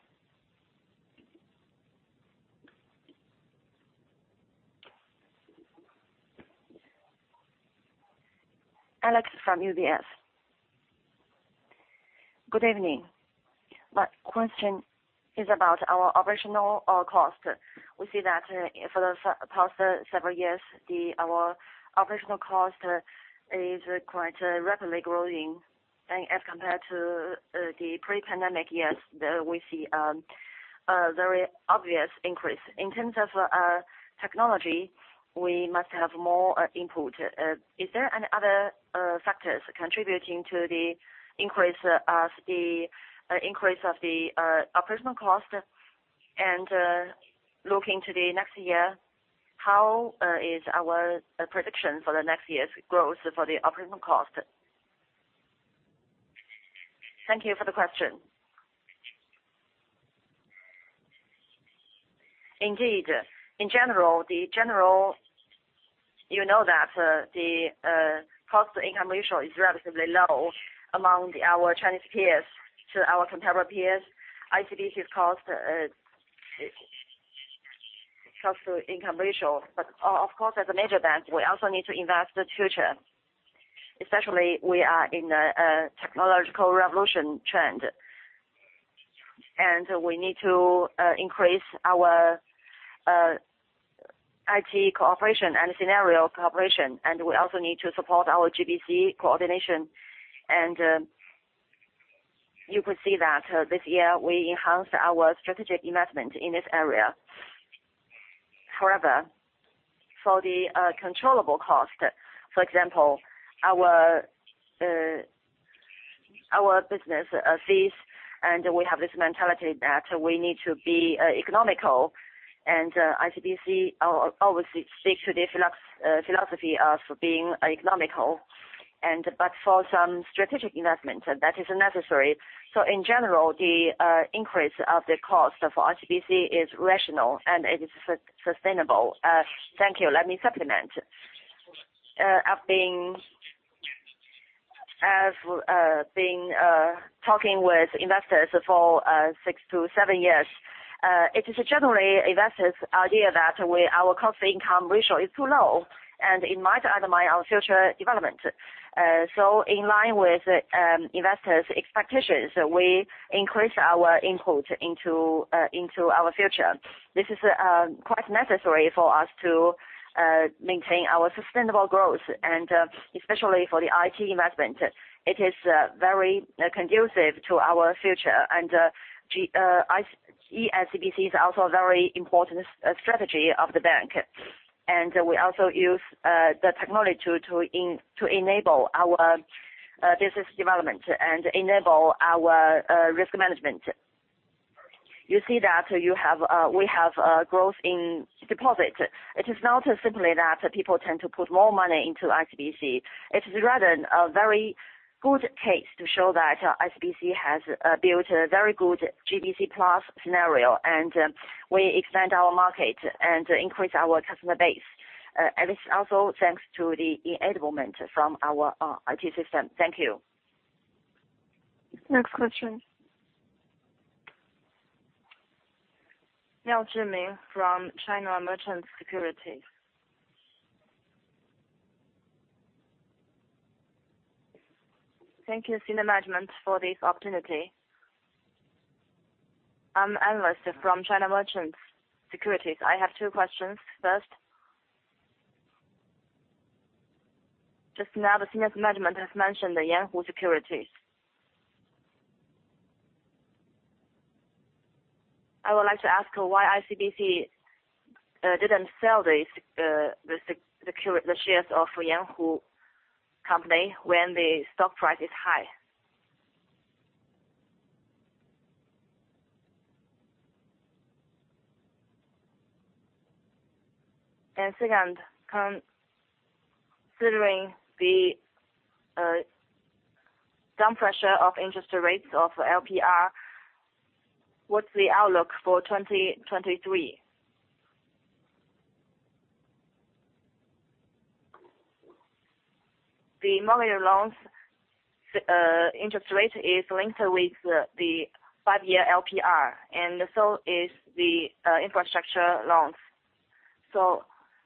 Alex from UBS. Good evening. My question is about our operational cost. We see that for the past several years our operational cost is quite rapidly growing. As compared to the pre-pandemic years we see a very obvious increase. In terms of technology we must have more input. Is there any other factors contributing to the increase of the operational cost? Looking to the next year how is our prediction for the next year's growth for the operational cost? Thank you for the question. Indeed, in general, you know that the cost-to-income ratio is relatively low among our Chinese peers, our contemporary peers, ICBC's cost-to-income ratio. Of course, as a major bank, we also need to invest in the future, especially we are in a technological revolution trend. We need to increase our IT cooperation and scenario cooperation, and we also need to support our G-B-C coordination. You could see that this year we enhanced our strategic investment in this area. However, for the controllable cost, for example, our business fees, we have this mentality that we need to be economical. ICBC obviously sticks to the philosophy of being economical, but for some strategic investment, that is necessary. In general, the increase of the cost for ICBC is rational, and it is sustainable. Thank you. Let me supplement. I've been talking with investors for six to seven years. It is generally investors' idea that our cost-to-income ratio is too low, and it might undermine our future development. In line with investors' expectations, we increase our input into our future. This is quite necessary for us to maintain our sustainable growth, and especially for the IT investment. It is very conducive to our future. e-ICBC is also a very important strategy of the bank. We also use the technology to enable our business development and enable our risk management. We have growth in deposits. It is not simply that people tend to put more money into ICBC. It is rather a very good case to show that ICBC has built a very good G-B-C Plus scenario, and we extend our market and increase our customer base. It's also thanks to the enablement from our IT system. Thank you. Next question. Miao Jianmin from China Merchants Securities. Thank you, senior management for this opportunity. I'm analyst from China Merchants Securities. I have two questions. First, just now, the senior management has mentioned the Yanhu company. I would like to ask why ICBC didn't sell the shares of Yanhu Company when the stock price is high? Second, considering the downward pressure of interest rates of LPR, what's the outlook for 2023? The mortgage loans interest rate is linked with the five-year LPR, and so is the infrastructure loans.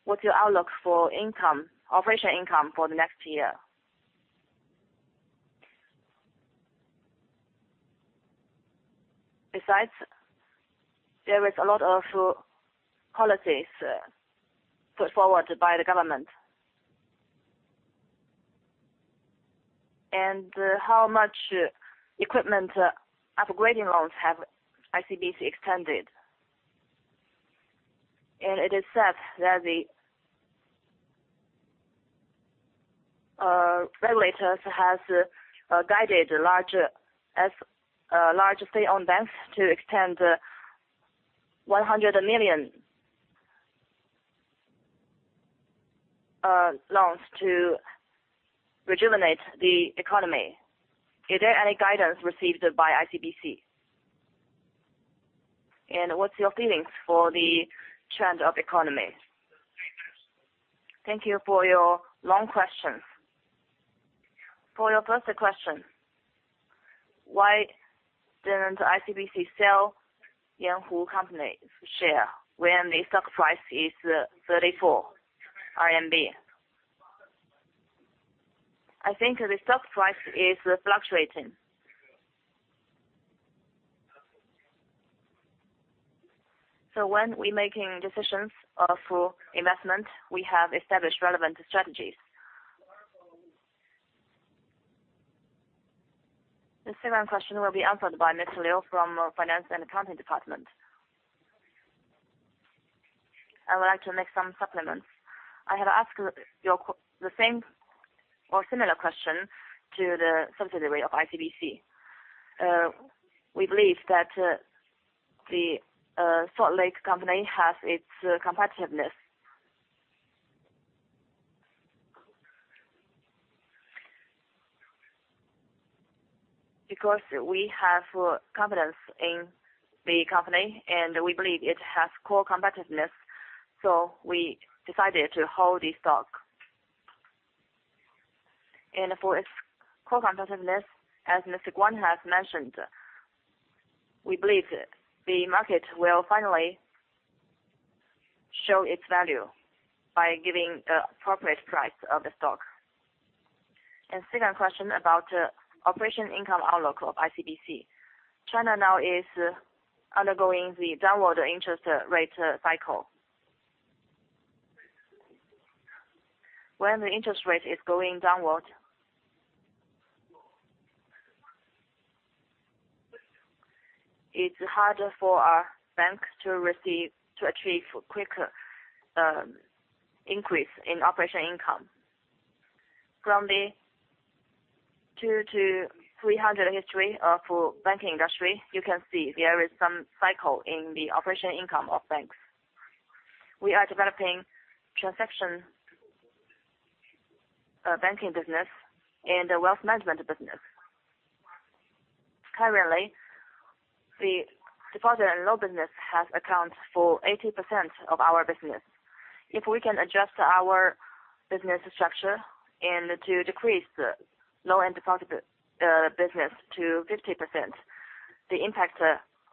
What's your outlook for income, operating income for the next year? Besides, there is a lot of policies put forward by the government. How much equipment upgrading loans have ICBC extended? It is said that the regulators has guided large state-owned banks to extend 100 million loans to rejuvenate the economy. Is there any guidance received by ICBC? What's your feelings for the trend of economy? Thank you for your long questions. For your first question, why didn't ICBC sell Yanhu Company share when the stock price is 34 RMB? I think the stock price is fluctuating. When we making decisions for investment, we have established relevant strategies. The second question will be answered by Mr. Liu from Finance and Accounting Department. I would like to make some supplements. I have asked the same or similar question to the subsidiary of ICBC. We believe that the Salt Lake company has its competitiveness. Because we have confidence in the company, and we believe it has core competitiveness, so we decided to hold the stock. For its core competitiveness, as Mr. Guan has mentioned, we believe the market will finally show its value by giving the appropriate price of the stock. Second question about operating income outlook of ICBC. China now is undergoing the downward interest rate cycle. When the interest rate is going downward, it's harder for our banks to achieve quicker increase in operating income. From the 200-300 history for banking industry, you can see there is some cycle in the operating income of banks. We are developing transaction banking business and a wealth management business. Currently, the deposit and loan business has account for 80% of our business. If we can adjust our business structure and to decrease the loan and deposit business to 50%, the impact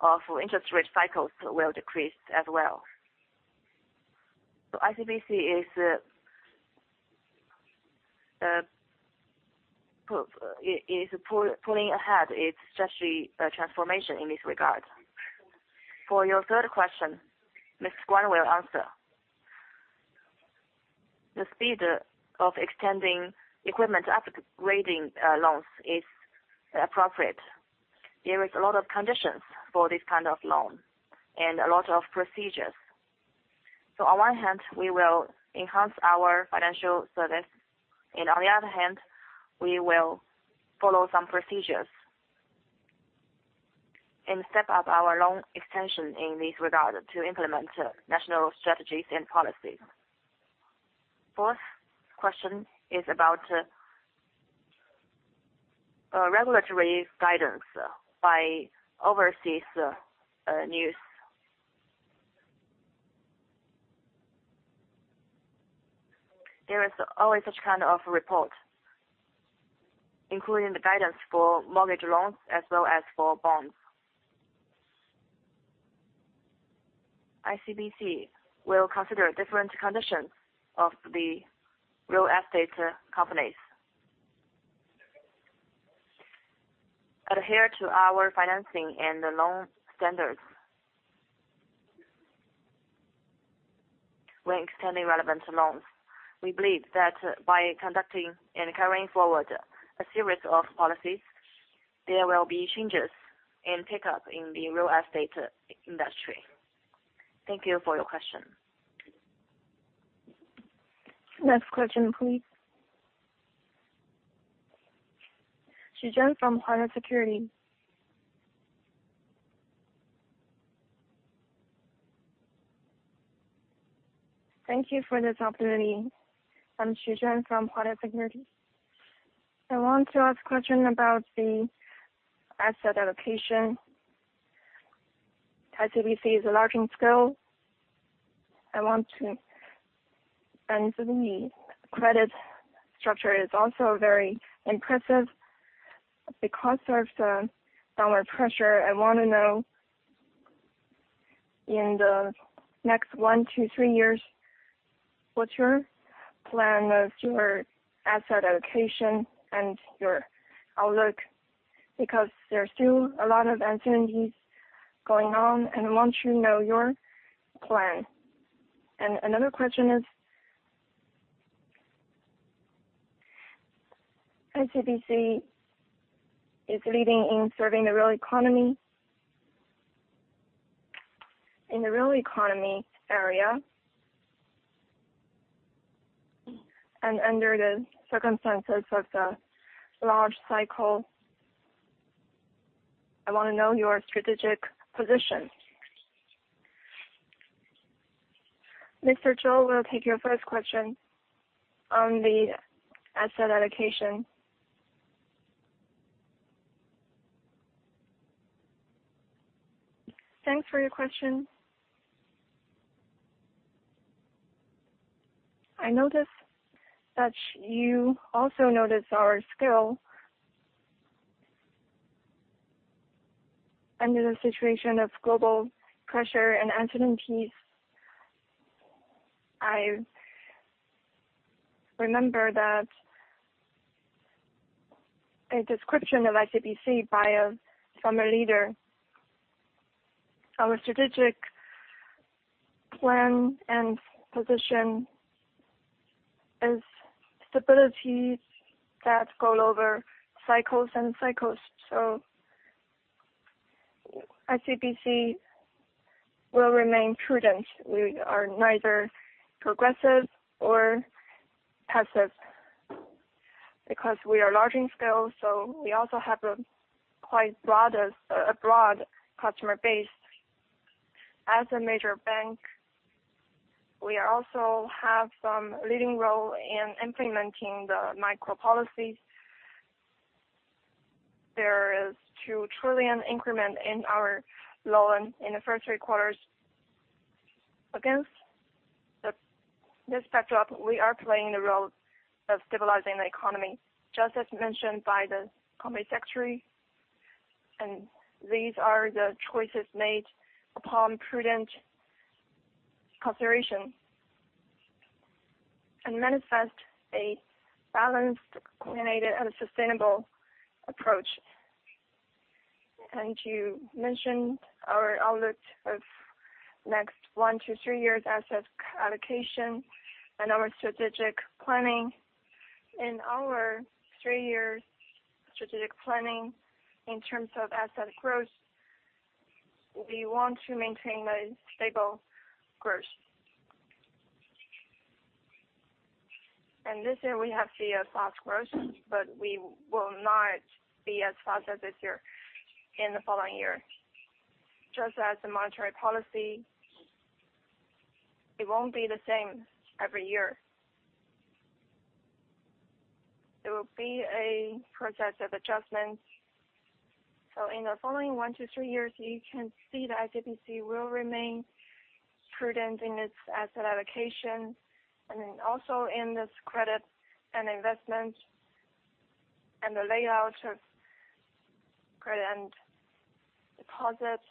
of interest rate cycles will decrease as well. ICBC is pulling ahead its strategy transformation in this regard. For your third question, Mr. Guan will answer. The speed of extending equipment upgrading loans is appropriate. There is a lot of conditions for this kind of loan and a lot of procedures. On one hand, we will enhance our financial service, and on the other hand, we will follow some procedures and step up our loan extension in this regard to implement national strategies and policies. Fourth question is about regulatory guidance by overseas news. There is always this kind of report, including the guidance for mortgage loans as well as for bonds. ICBC will consider different conditions of the real estate companies. Adhere to our financing and the loan standards when extending relevant loans. We believe that by conducting and carrying forward a series of policies, there will be changes and pickup in the real estate industry. Thank you for your question. Next question, please. Xu Jen from Jefferies. Thank you for this opportunity. I'm Xu Jen from Jefferies. I want to ask question about the asset allocation. ICBC is enlarging scale. The credit structure is also very impressive. Because of the dollar pressure, I wanna know, in the next one to three years, what's your plan of your asset allocation and your outlook? Because there are still a lot of uncertainties going on, and I want to know your plan. Another question is, ICBC is leading in serving the real economy. In the real economy area and under the circumstances of the large cycle, I wanna know your strategic position. Mr. Zhou will take your first question on the asset allocation. Thanks for your question. I notice that you also notice our scale. Under the situation of global pressure and uncertainties, I remember that a description of ICBC by a former leader. Our strategic plan and position is stability that go over cycles and cycles. ICBC will remain prudent. We are neither progressive or passive. Because we are large in scale, we also have a quite broad, a broad customer base. As a major bank, we also have some leading role in implementing the macro policies. There is 2 trillion increment in our loan in the first three quarters. Against this backdrop, we are playing the role of stabilizing the economy, just as mentioned by the Communist Secretary, and these are the choices made upon prudent consideration and manifest a balanced, coordinated, and a sustainable approach. You mentioned our outlook of next one to three years asset allocation and our strategic planning. In our three-year strategic planning in terms of asset growth, we want to maintain the stable growth. This year, we have seen a fast growth, but we will not be as fast as this year in the following year. Just as the monetary policy, it won't be the same every year. There will be a process of adjustments. In the following one to three years, you can see that ICBC will remain prudent in its asset allocation and then also in this credit and investment and the layout of credit and deposits.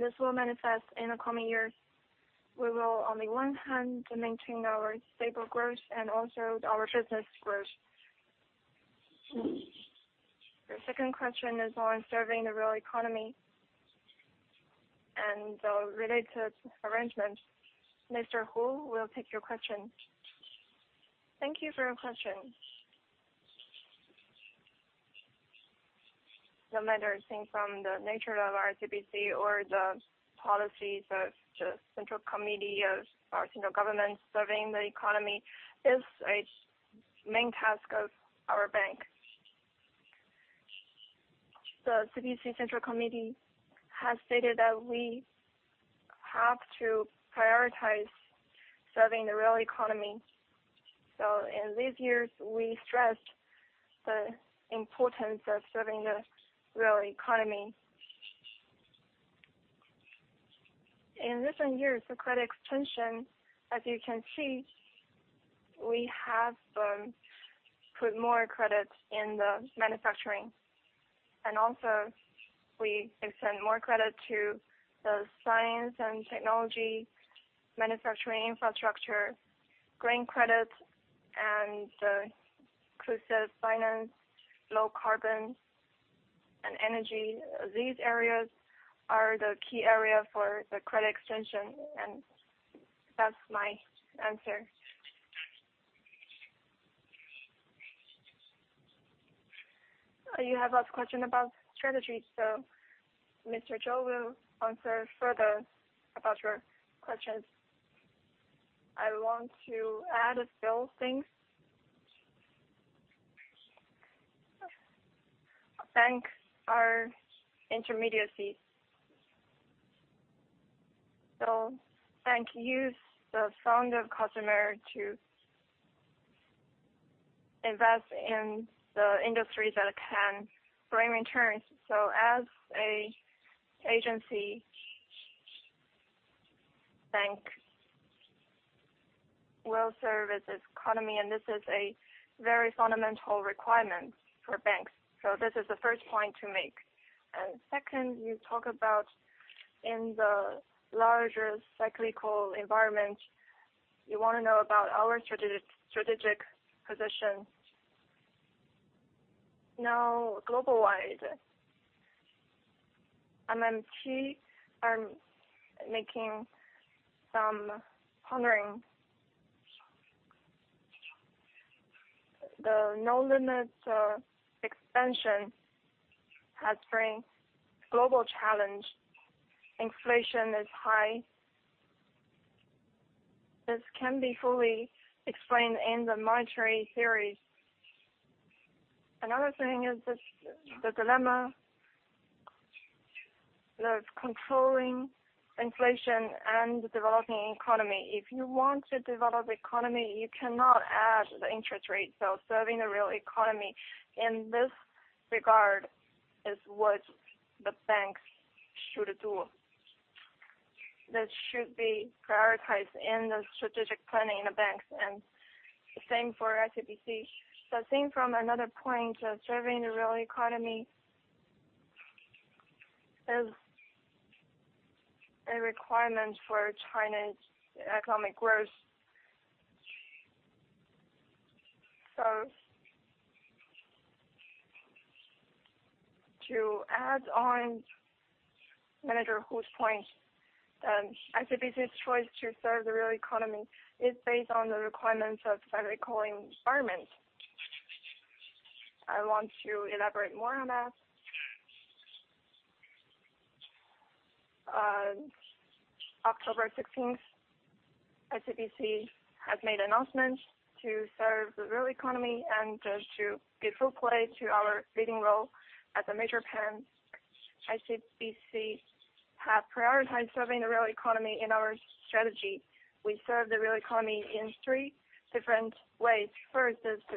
This will manifest in the coming years. We will, on the one hand, maintain our stable growth and also our business growth. Your second question is on serving the real economy and the related arrangement. Mr. Hu will take your question. Thank you for your question. No matter seeing from the nature of ICBC or the policies of the Central Committee of our central government, serving the economy is a main task of our bank. The CPC Central Committee has stated that we have to prioritize serving the real economy. In these years, we stressed the importance of serving the real economy. In recent years, the credit extension, as you can see, we have put more credits in the manufacturing and also we extend more credit to the science and technology, manufacturing infrastructure, green credits and the inclusive finance, low carbon and energy. These areas are the key area for the credit extension, and that's my answer. You have asked question about strategy, so Mr. Zhou will answer further about your questions. I want to add a few things. Banks are intermediaries. Banks use the funds from customers to...Invest in the industries that can bring returns. An agency, banks will serve the economy, and this is a very fundamental requirement for banks. This is the first point to make. Second, you talk about in the larger cyclical environment, you wanna know about our strategic position. Now, Global-wise, MMT are making some pondering. The no-limits expansion has bring global challenge. Inflation is high. This can be fully explained in the monetary theories. Another thing is this, the dilemma of controlling inflation and developing economy. If you want to develop economy, you cannot add the interest rate. Serving the real economy in this regard is what the banks should do. This should be prioritized in the strategic planning in the banks and the same for ICBC. Seeing from another point of serving the real economy is a requirement for China's economic growth. To add on Manager Hu's point, ICBC's choice to serve the real economy is based on the requirements of cyclical environment. I want to elaborate more on that. October sixteenth, ICBC has made announcements to serve the real economy and just to give full play to our leading role as a major bank. ICBC have prioritized serving the real economy in our strategy. We serve the real economy in three different ways. First, is to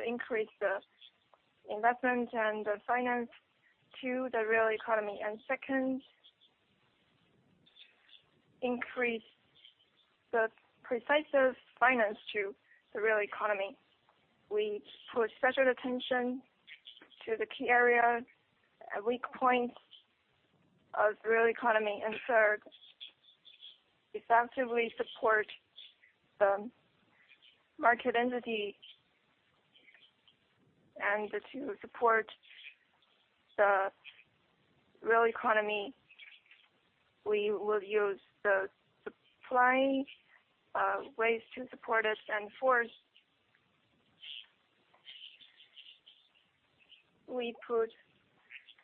increase the investment and the finance to the real economy. Second, increase the precision of finance to the real economy. We put special attention to the key areas, weak points of real economy. Third, effectively support the market entities. To support the real economy, we will use the supply ways to support us. Fourth, we put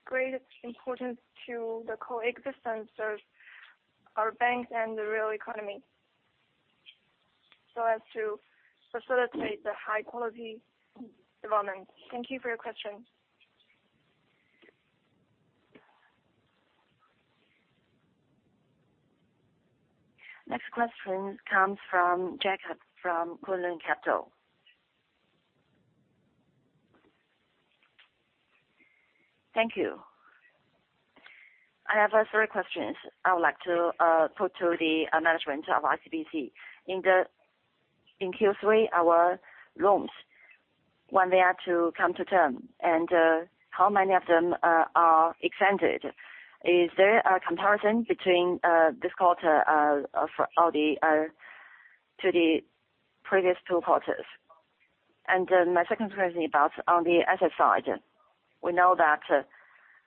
great importance to the coexistence of our banks and the real economy so as to facilitate the high-quality development. Thank you for your question. Next question comes from Jacob, from Kunlun Capital. Thank you. I have three questions I would like to put to the management of ICBC. In Q3, our loans, when they are to come to term, and how many of them are extended? Is there a comparison between this quarter overall to the previous two quarters? My second question on the asset side, we know that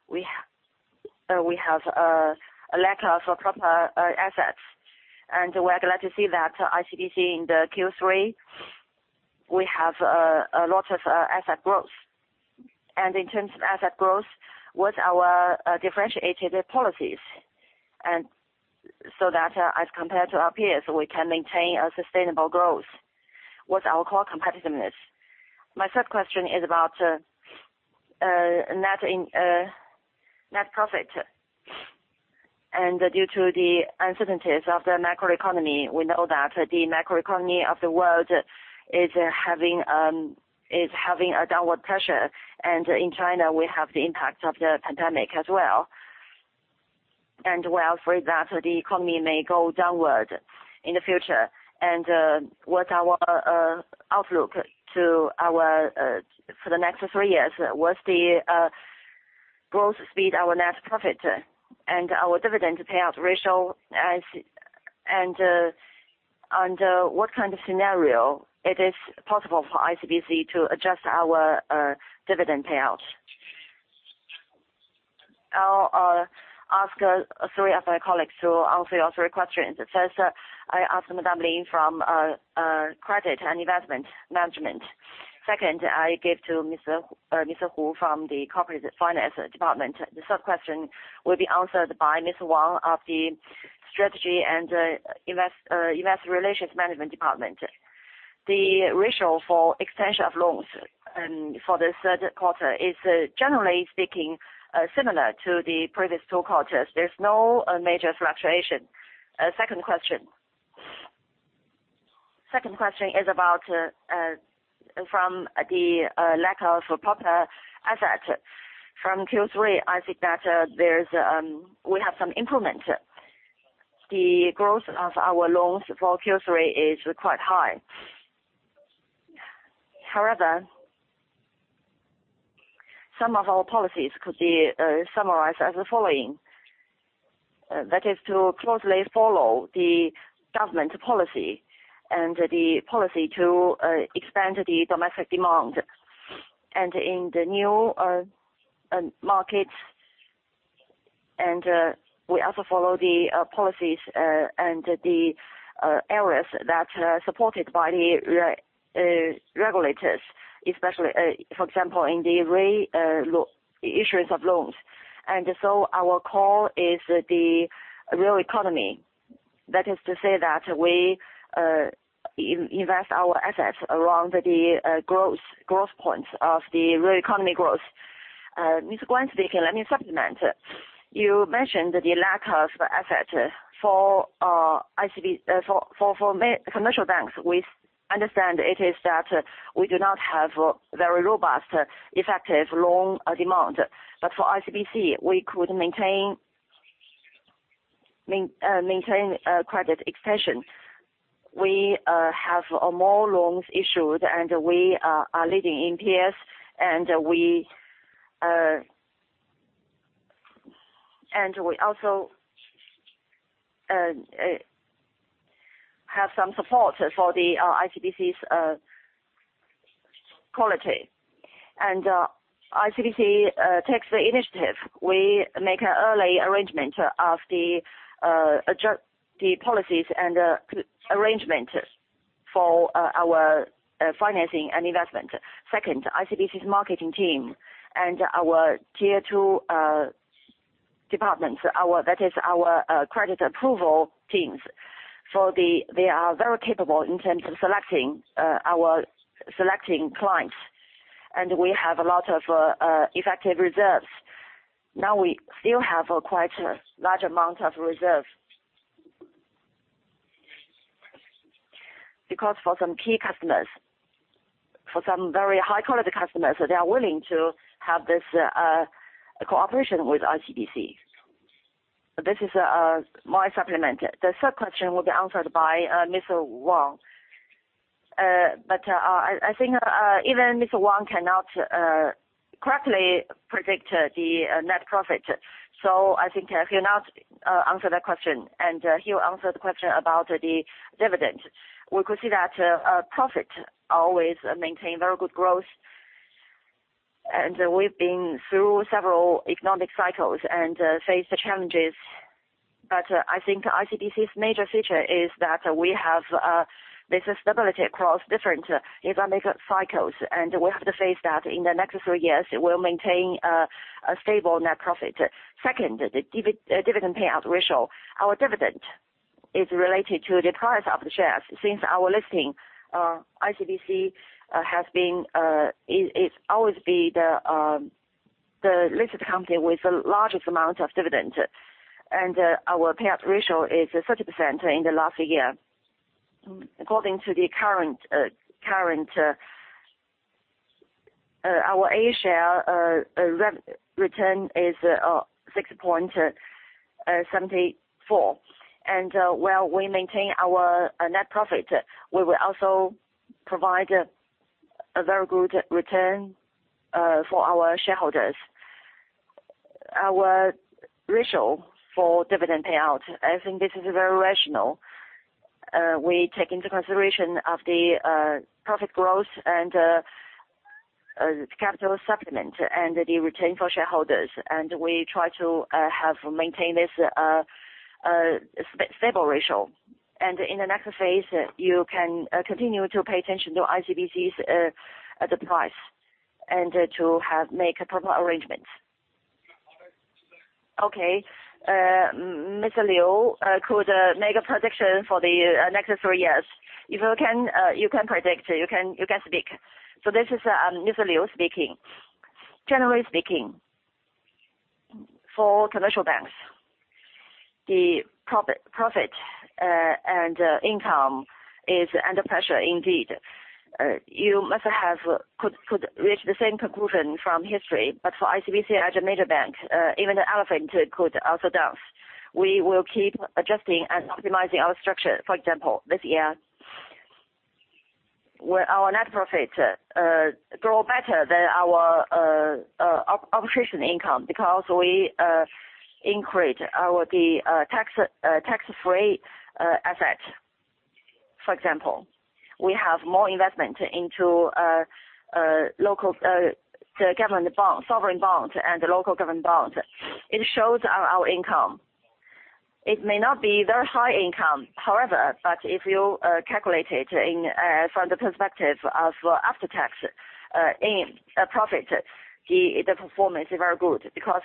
we have a lack of proper assets. We are glad to see that ICBC in Q3, we have a lot of asset growth. In terms of asset growth, with our differentiated policies, so that, as compared to our peers, we can maintain a sustainable growth with our core competitiveness. My third question is about net profit. Due to the uncertainties of the macroeconomy, we know that the macroeconomy of the world is having a downward pressure. In China, we have the impact of the pandemic as well. We are afraid that the economy may go downward in the future. What's our outlook for the next three years, what's the growth speed of our net profit and our dividend payout ratio. Under what kind of scenario is it possible for ICBC to adjust our dividend payouts? I'll ask three of my colleagues to answer your three questions. First, I ask Madame Lin from Credit and Investment Management. Second, I give to Mr. Hu from the Corporate Finance Department. The third question will be answered by Mr. Wang of the Strategy and Investor Relations Management Department. The ratio for extension of loans for this third quarter is, generally speaking, similar to the previous two quarters. There's no major fluctuation. Second question. Second question is about from the lack of proper assets. From Q3, I think that there's we have some improvement. The growth of our loans for Q3 is quite high. However, some of our policies could be summarized as the following. That is to closely follow the government policy and the policy to expand the domestic demand and in the new markets. We also follow the policies and the areas that are supported by the regulators, especially for example in the re-lending of loans. Our core is the real economy. That is to say that we invest our assets around the growth points of the real economy growth. Mr. Wang, let me supplement. You mentioned the lack of assets for commercial banks. We understand it is that we do not have very robust, effective loan demand. For ICBC, we could maintain credit extension. We have more loans issued, and we are leading our peers, and we also have some support for the ICBC's quality. ICBC takes the initiative. We make an early arrangement to adjust the policies and arrangement for our financing and investment. Second, ICBC's marketing team and our tier two departments, that is our credit approval teams, they are very capable in terms of selecting our clients. We have a lot of effective reserves. Now, we still have quite a large amount of reserve. Because for some key customers, for some very high quality customers, they are willing to have this cooperation with ICBC. This is my supplement. The third question will be answered by Mr. Wang. I think even Mr. Wang cannot correctly predict the net profit. I think he'll not answer that question, and he'll answer the question about the dividend. We could see that our profit always maintain very good growth. We've been through several economic cycles and faced the challenges. I think ICBC's major feature is that we have the stability across different economic cycles. We have to face that in the next three years, we'll maintain a stable net profit. Second, the dividend payout ratio. Our dividend is related to the price of the shares. Since our listing, ICBC has always been the listed company with the largest amount of dividend. Our payout ratio is 30% in the last year. According to the current our A share return is 6.74%. While we maintain our net profit, we will also provide a very good return for our shareholders. Our ratio for dividend payout, I think this is very rational. We take into consideration of the profit growth and as capital supplement and the return for shareholders, and we try to maintain this stable ratio. In the next phase, you can continue to pay attention to ICBC's the price and to make proper arrangements. Okay. Mr. Liu could make a prediction for the next three years. If you can, you can predict, you can speak. This is Mr. Liu speaking. Generally speaking, for commercial banks, the profit and income is under pressure indeed. You must have reached the same conclusion from history, but for ICBC as a major bank, even the elephant could also dance. We will keep adjusting and optimizing our structure. For example, this year, our net profits grow better than our operating income because we increase our tax-free assets. For example, we have more investment into local government bonds, sovereign bonds, and local government bonds. It shows our income. It may not be very high income, however, but if you calculate it from the perspective of after-tax profit, the performance is very good because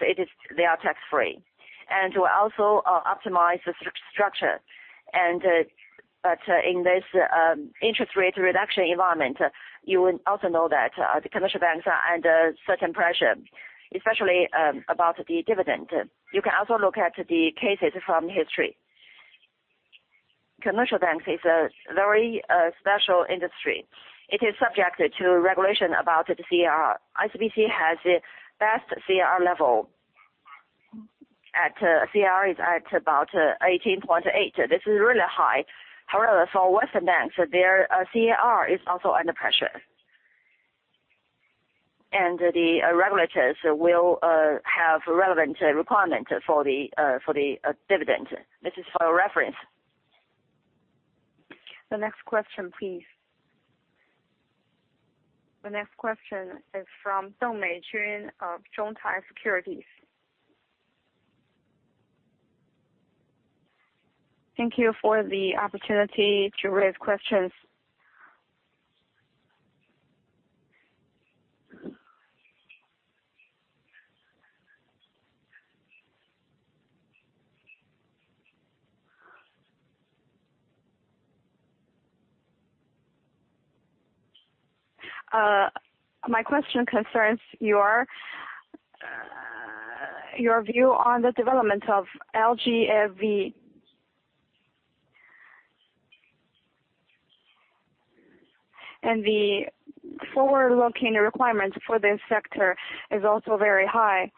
they are tax-free. We also optimize the structure. In this interest rate reduction environment, you will also know that the commercial banks are under certain pressure, especially about the dividend. You can also look at the cases from history. Commercial banks is a very special industry. It is subjected to regulation about the CAR. ICBC has the best CAR level. CAR is at about 18.8%. This is really high. However, for Western banks, their CAR is also under pressure. The regulators will have relevant requirement for the dividend. This is for your reference. The next question, please. The next question is from Deng Meijun of Zhongtai Securities. Thank you for the opportunity to raise questions. My question concerns your view on the development of LGFV. The forward-looking requirements for this sector is also very high.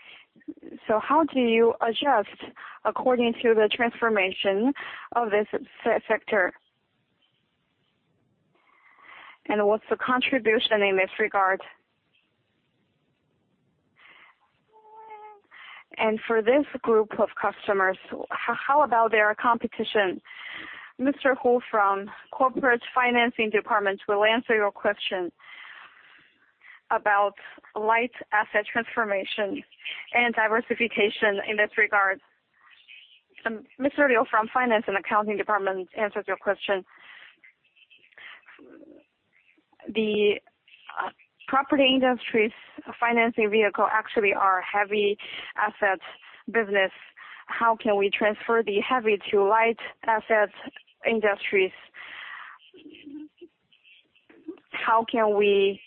How do you adjust according to the transformation of this sector? What's the contribution in this regard? For this group of customers, how about their competition? Mr. Hu from Corporate Financing Department will answer your question about light asset transformation and diversification in this regard. Mr. Liu from Finance and Accounting Department answers your question. Property industry's financing vehicle actually are heavy assets business. How can we transfer the heavy to light asset industries? How can we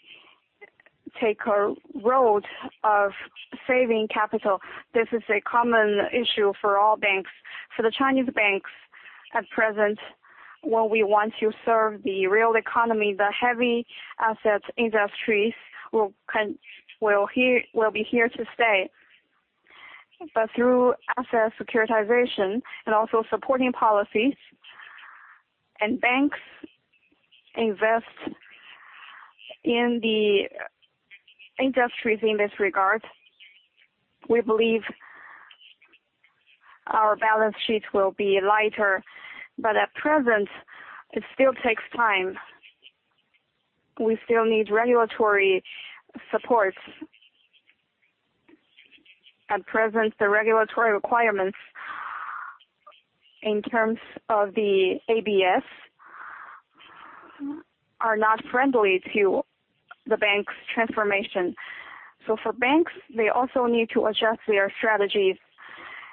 take a road of saving capital? This is a common issue for all banks. For the Chinese banks at present, when we want to serve the real economy, the heavy asset industries will be here to stay. Through asset securitization and also supporting policies, and banks invest in the industries in this regard, we believe our balance sheet will be lighter. At present, it still takes time. We still need regulatory supports. At present, the regulatory requirements in terms of the ABS are not friendly to the bank's transformation. For banks, they also need to adjust their strategies,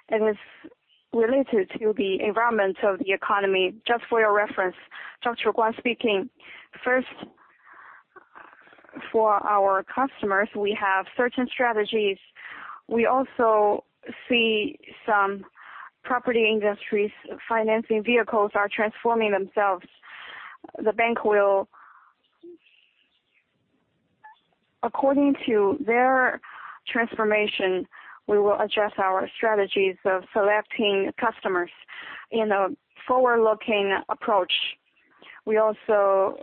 and it's related to the environment of the economy. Just for your reference. First, for our customers, we have certain strategies. We also see some property industry financing vehicles are transforming themselves. According to their transformation, we will adjust our strategies of selecting customers in a forward-looking approach. We also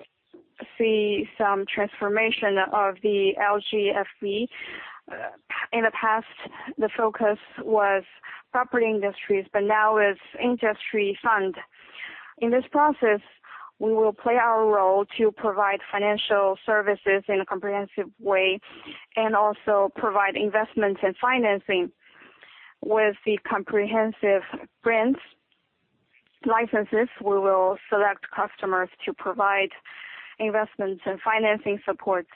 see some transformation of the LGFV. In the past, the focus was property industry, but now it's industry fund. In this process, we will play our role to provide financial services in a comprehensive way and also provide investments and financing. With the comprehensive banking licenses, we will select customers to provide investments and financing supports,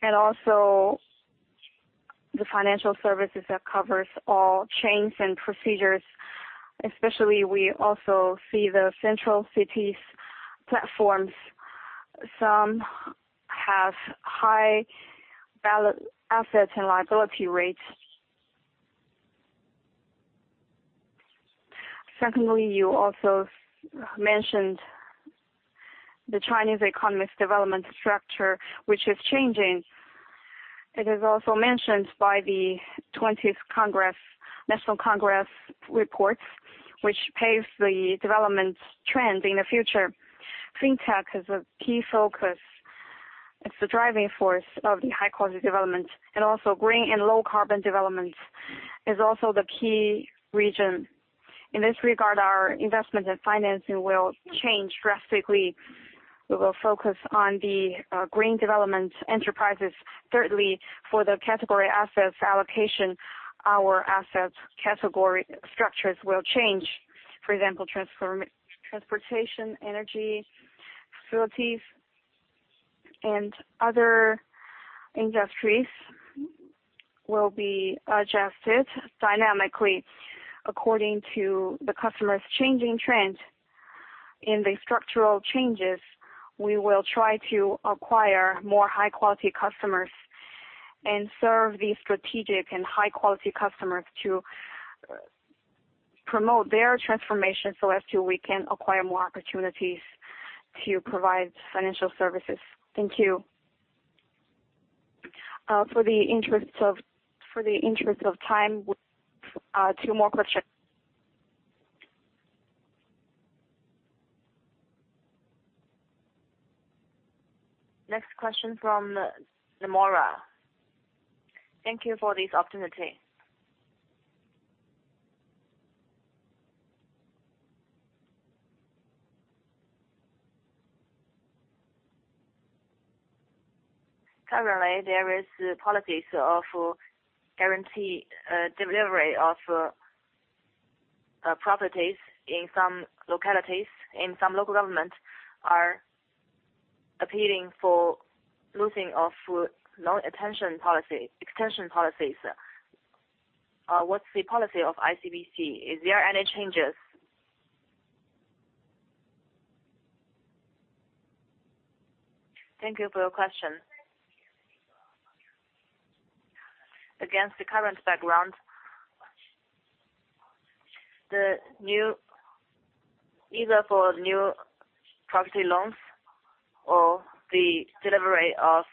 and also the financial services that covers all chains and procedures. Especially, we also see the central city's platforms. Some have high valid assets and liability rates. Secondly, you also mentioned the Chinese economic development structure, which is changing. It is also mentioned by the 20th National Congress reports, which paves the development trend in the future. Fintech is a key focus. It's the driving force of the high-quality development and also green and low-carbon development is also the key region. In this regard, our investment and financing will change drastically. We will focus on the green development enterprises. Thirdly, for the category assets allocation, our assets category structures will change. For example, transportation, energy, facilities, and other industries will be adjusted dynamically according to the customer's changing trend. In the structural changes, we will try to acquire more high-quality customers and serve the strategic and high-quality customers to promote their transformation so as to we can acquire more opportunities to provide financial services. Thank you. For the interest of time, two more questions. Next question from Nomura. Thank you for this opportunity. Currently, there are policies of guaranteed delivery of properties in some localities, and some local governments are appealing for loosening of loan extension policies. What's the policy of ICBC? Is there any change? Thank you for your question. Against the current background, either for new property loans or the delivery of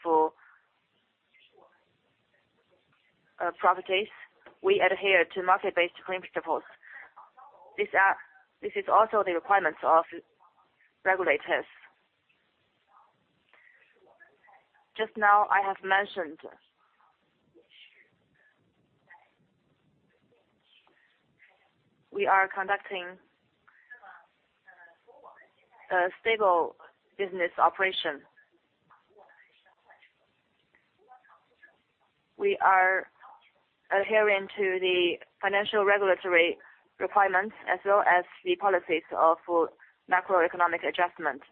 properties, we adhere to market-based principles. This is also the requirements of regulators. Just now, I have mentioned, we are conducting a stable business operation. We are adhering to the financial regulatory requirements as well as the policies of macroeconomic adjustment.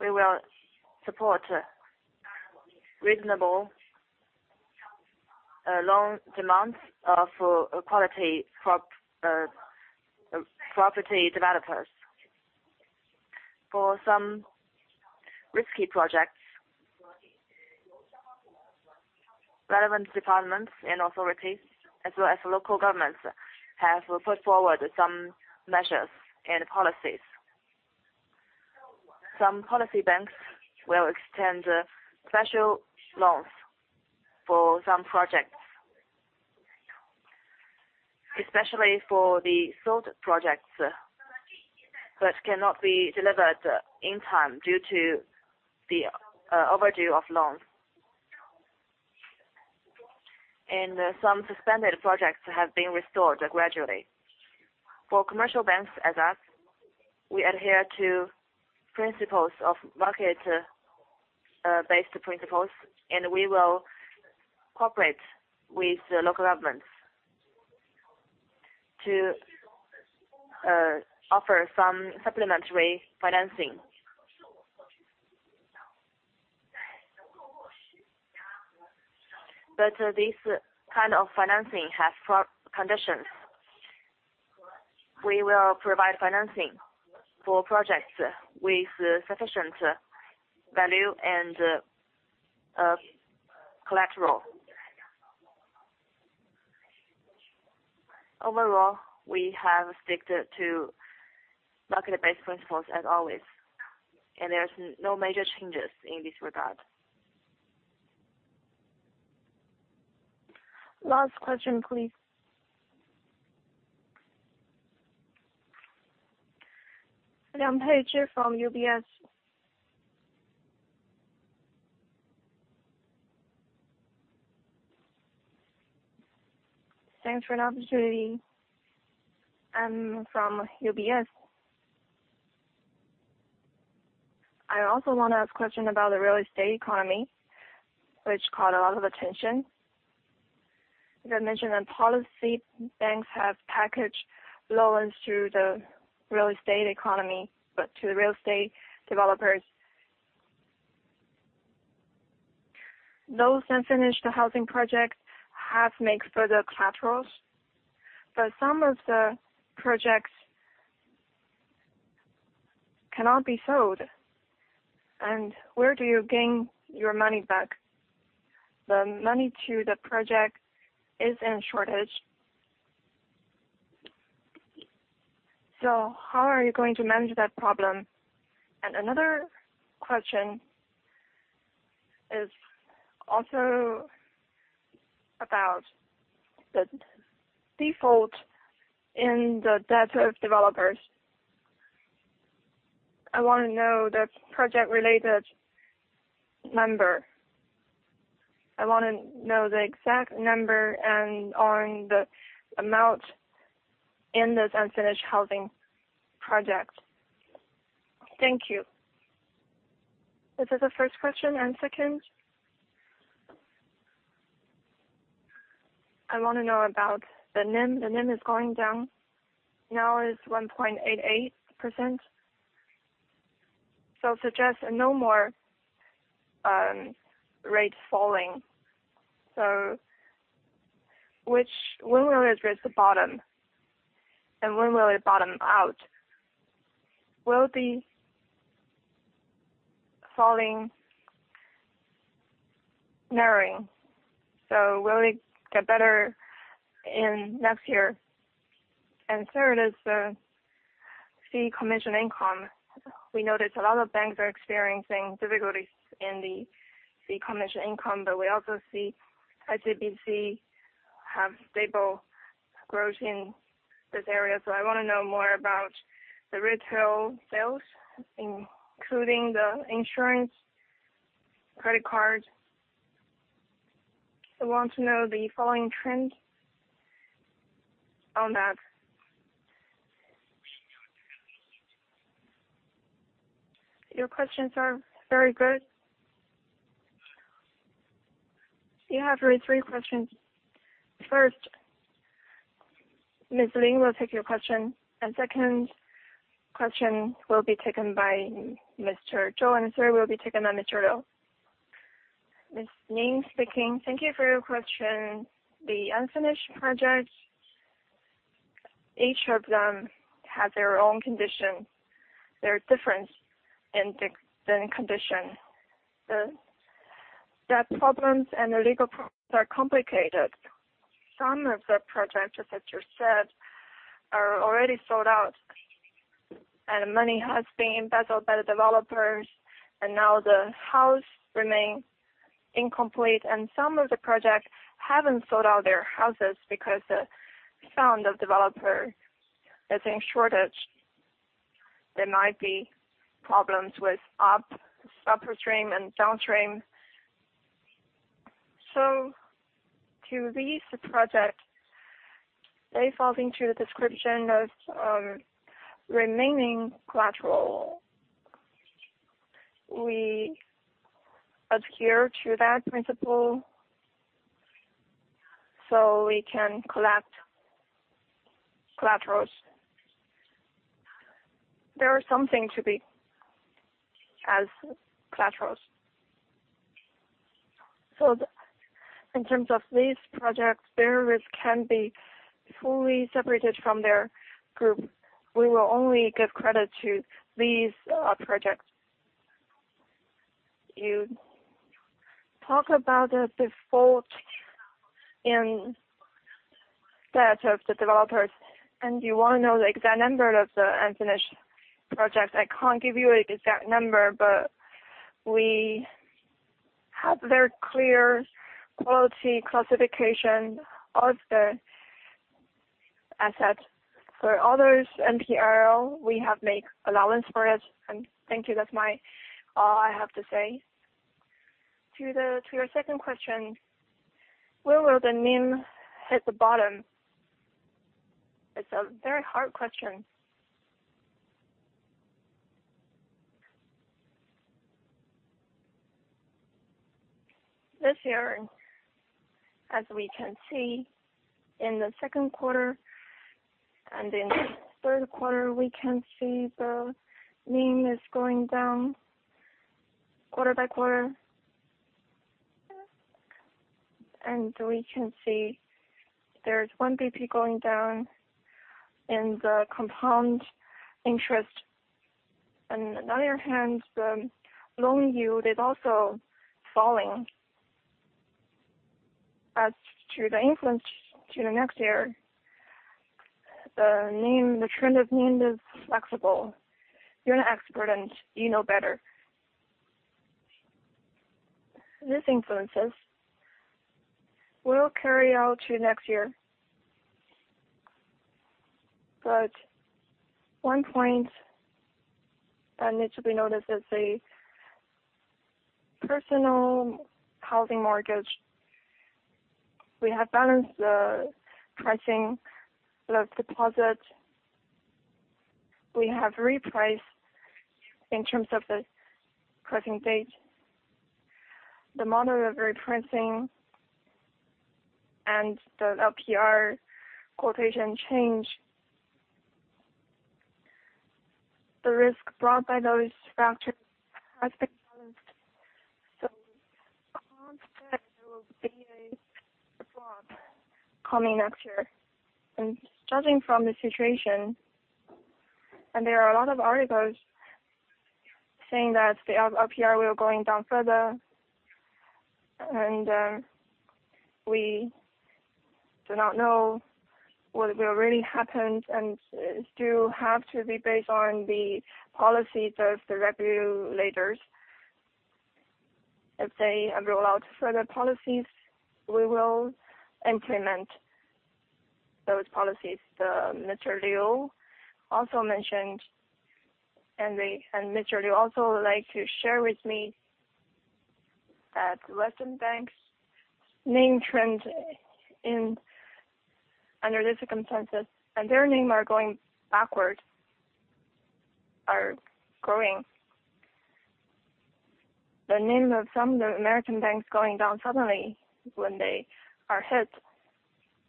We will support reasonable loan demands of quality property developers. For some risky projects, relevant departments and authorities as well as local governments have put forward some measures and policies. Some policy banks will extend special loans for some projects, especially for the sold projects that cannot be delivered in time due to the overdue of loans. Some suspended projects have been restored gradually. For commercial banks like us, we adhere to principles of market-based principles, and we will cooperate with local governments to offer some supplementary financing. This kind of financing has pre-conditions. We will provide financing for projects with sufficient value and collateral. Overall, we have stuck to market-based principles as always, and there's no major changes in this regard. Last question, please. [Liang Peizhi] from UBS. Thanks for an opportunity. I'm from UBS. I also wanna ask a question about the real estate economy, which caught a lot of attention. You have mentioned that policy banks have packaged loans through the real estate economy, but to real estate developers. Those unfinished housing projects have made further collateral, but some of the projects cannot be sold. Where do you gain your money back? The money to the project is in shortage. How are you going to manage that problem? Another question is also about the default on the debt of developers. I wanna know the project-related number. I wanna know the exact number and the amount in those unfinished housing projects. Thank you. This is the first question, and second I wanna know about the NIM. The NIM is going down, now is 1.88%. Suggest no more rate falling. When will it reach the bottom? When will it bottom out? Will the falling narrowing? Will it get better in next year? Third is the fee and commission income. We noticed a lot of banks are experiencing difficulties in the fee and commission income, but we also see ICBC have stable growth in this area. I wanna know more about the retail sales, including the insurance, credit card. I want to know the following trend on that. Your questions are very good. You have raised three questions. First, Ms. Lin will take your question. Second question will be taken by Mr. Zhou, and third will be taken by Mr. Liu. Ms. Lin speaking. Thank you for your question. The unfinished projects, each of them have their own condition. They're different in the condition. The problems and the legal problems are complicated. Some of the projects, as you said, are already sold out, and money has been embezzled by the developers, and now the house remain incomplete. Some of the projects haven't sold out their houses because the fund of developer is in shortage. There might be problems with upstream and downstream. To release the project, they fall into the description of remaining collateral. We adhere to that principle so we can collect collaterals. There are something to be as collaterals. In terms of these projects, their risk can be fully separated from their group. We will only give credit to these projects. You talk about the default in debt of the developers, and you wanna know the exact number of the unfinished projects. I can't give you an exact number, but we have very clear quality classification of the assets. For others NPL, we have made allowance for it. Thank you. That's all I have to say. To your second question, where will the NIM hit the bottom? It's a very hard question. This year, as we can see in the second quarter and in third quarter, we can see the NIM is going down quarter by quarter. We can see there's one basis point going down in the compound interest. On the other hand, the loan yield is also falling. As to the influence to the next year, the NIM, the trend of NIM is flexible. You're an expert and you know better. This influences will carry out to next year. One point that needs to be noticed is a personal housing mortgage. We have balanced the pricing of deposit. We have repriced in terms of the pricing date. The model of repricing and the LPR quotation change. The risk brought by those factors has been balanced. Instead, there will be a drop coming next year. Judging from the situation, there are a lot of articles saying that the LPR will going down further, we do not know what will really happen, and it still have to be based on the policies of the regulators. If they roll out further policies, we will implement those policies. Mr. Liu also mentioned, and Mr. Liu also would like to share with me that western banks NIM trend in under this consensus, and their NIM are going backward, are growing. The NIM of some of the American banks going down suddenly when they are hit,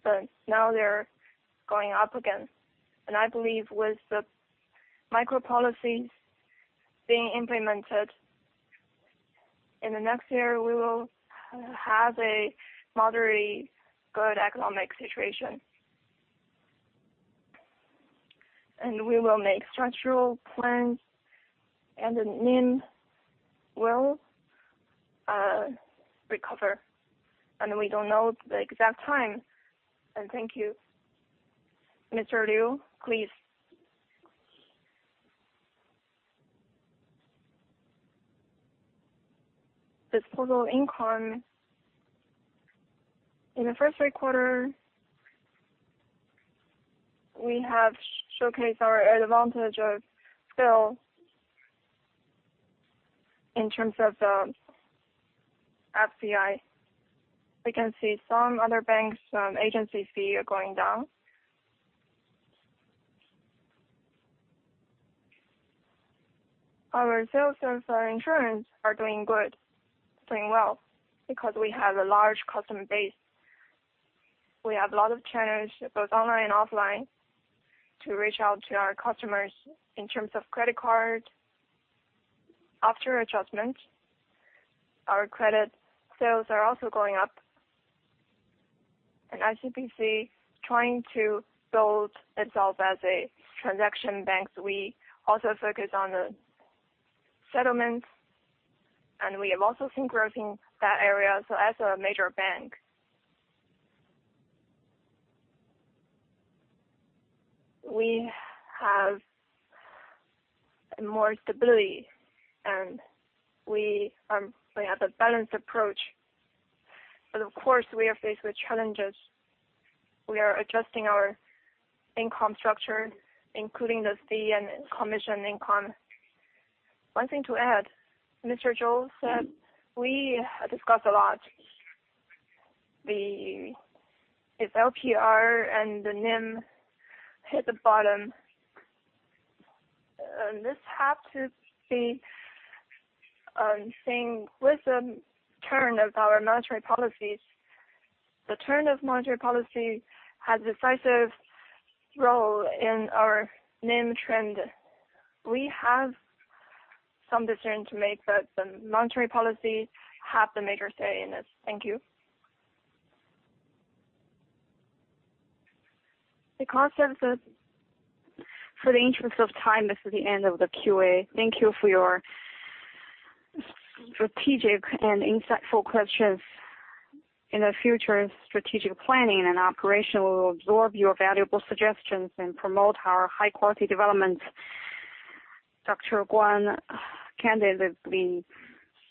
but now they're going up again. I believe with the macro policies being implemented, in the next year we will have a moderately good economic situation. We will make structural plans, and the NIM will recover, and we don't know the exact time. Thank you. Mr. Liu, please. The total income in the first three quarters, we have showcased our advantage of scale in terms of the FCI. We can see some other banks, agency fees are going down. Our sales of our insurance are doing good, doing well because we have a large customer base. We have a lot of channels, both online and offline, to reach out to our customers in terms of credit card. After adjustment, our credit sales are also going up. ICBC trying to build itself as a transaction bank. We also focus on the settlements, and we have also seen growth in that area. As a major bank. We have more stability, and we have a balanced approach. But of course, we are faced with challenges. We are adjusting our income structure, including the fee and commission income. One thing to add, Mr. Zhou said we discuss a lot. If LPR and the NIM hit the bottom, this have to be, same with the turn of our monetary policies. The turn of monetary policy has decisive role in our NIM trend. We have some decision to make, but the monetary policy have the major say in this. Thank you. For the interest of time, this is the end of the QA. Thank you for your strategic and insightful questions. In the future strategic planning and operation, we will absorb your valuable suggestions and promote our high quality development. Dr. Guan candidly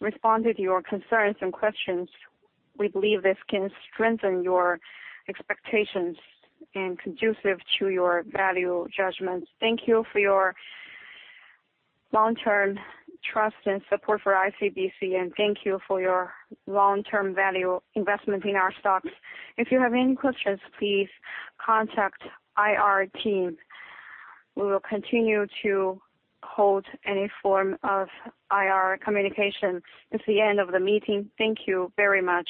responded to your concerns and questions. We believe this can strengthen your expectations and conducive to your value judgments. Thank you for your long-term trust and support for ICBC, and thank you for your long-term value investment in our stocks. If you have any questions, please contact IR team. We will continue to hold any form of IR communication. It's the end of the meeting. Thank you very much.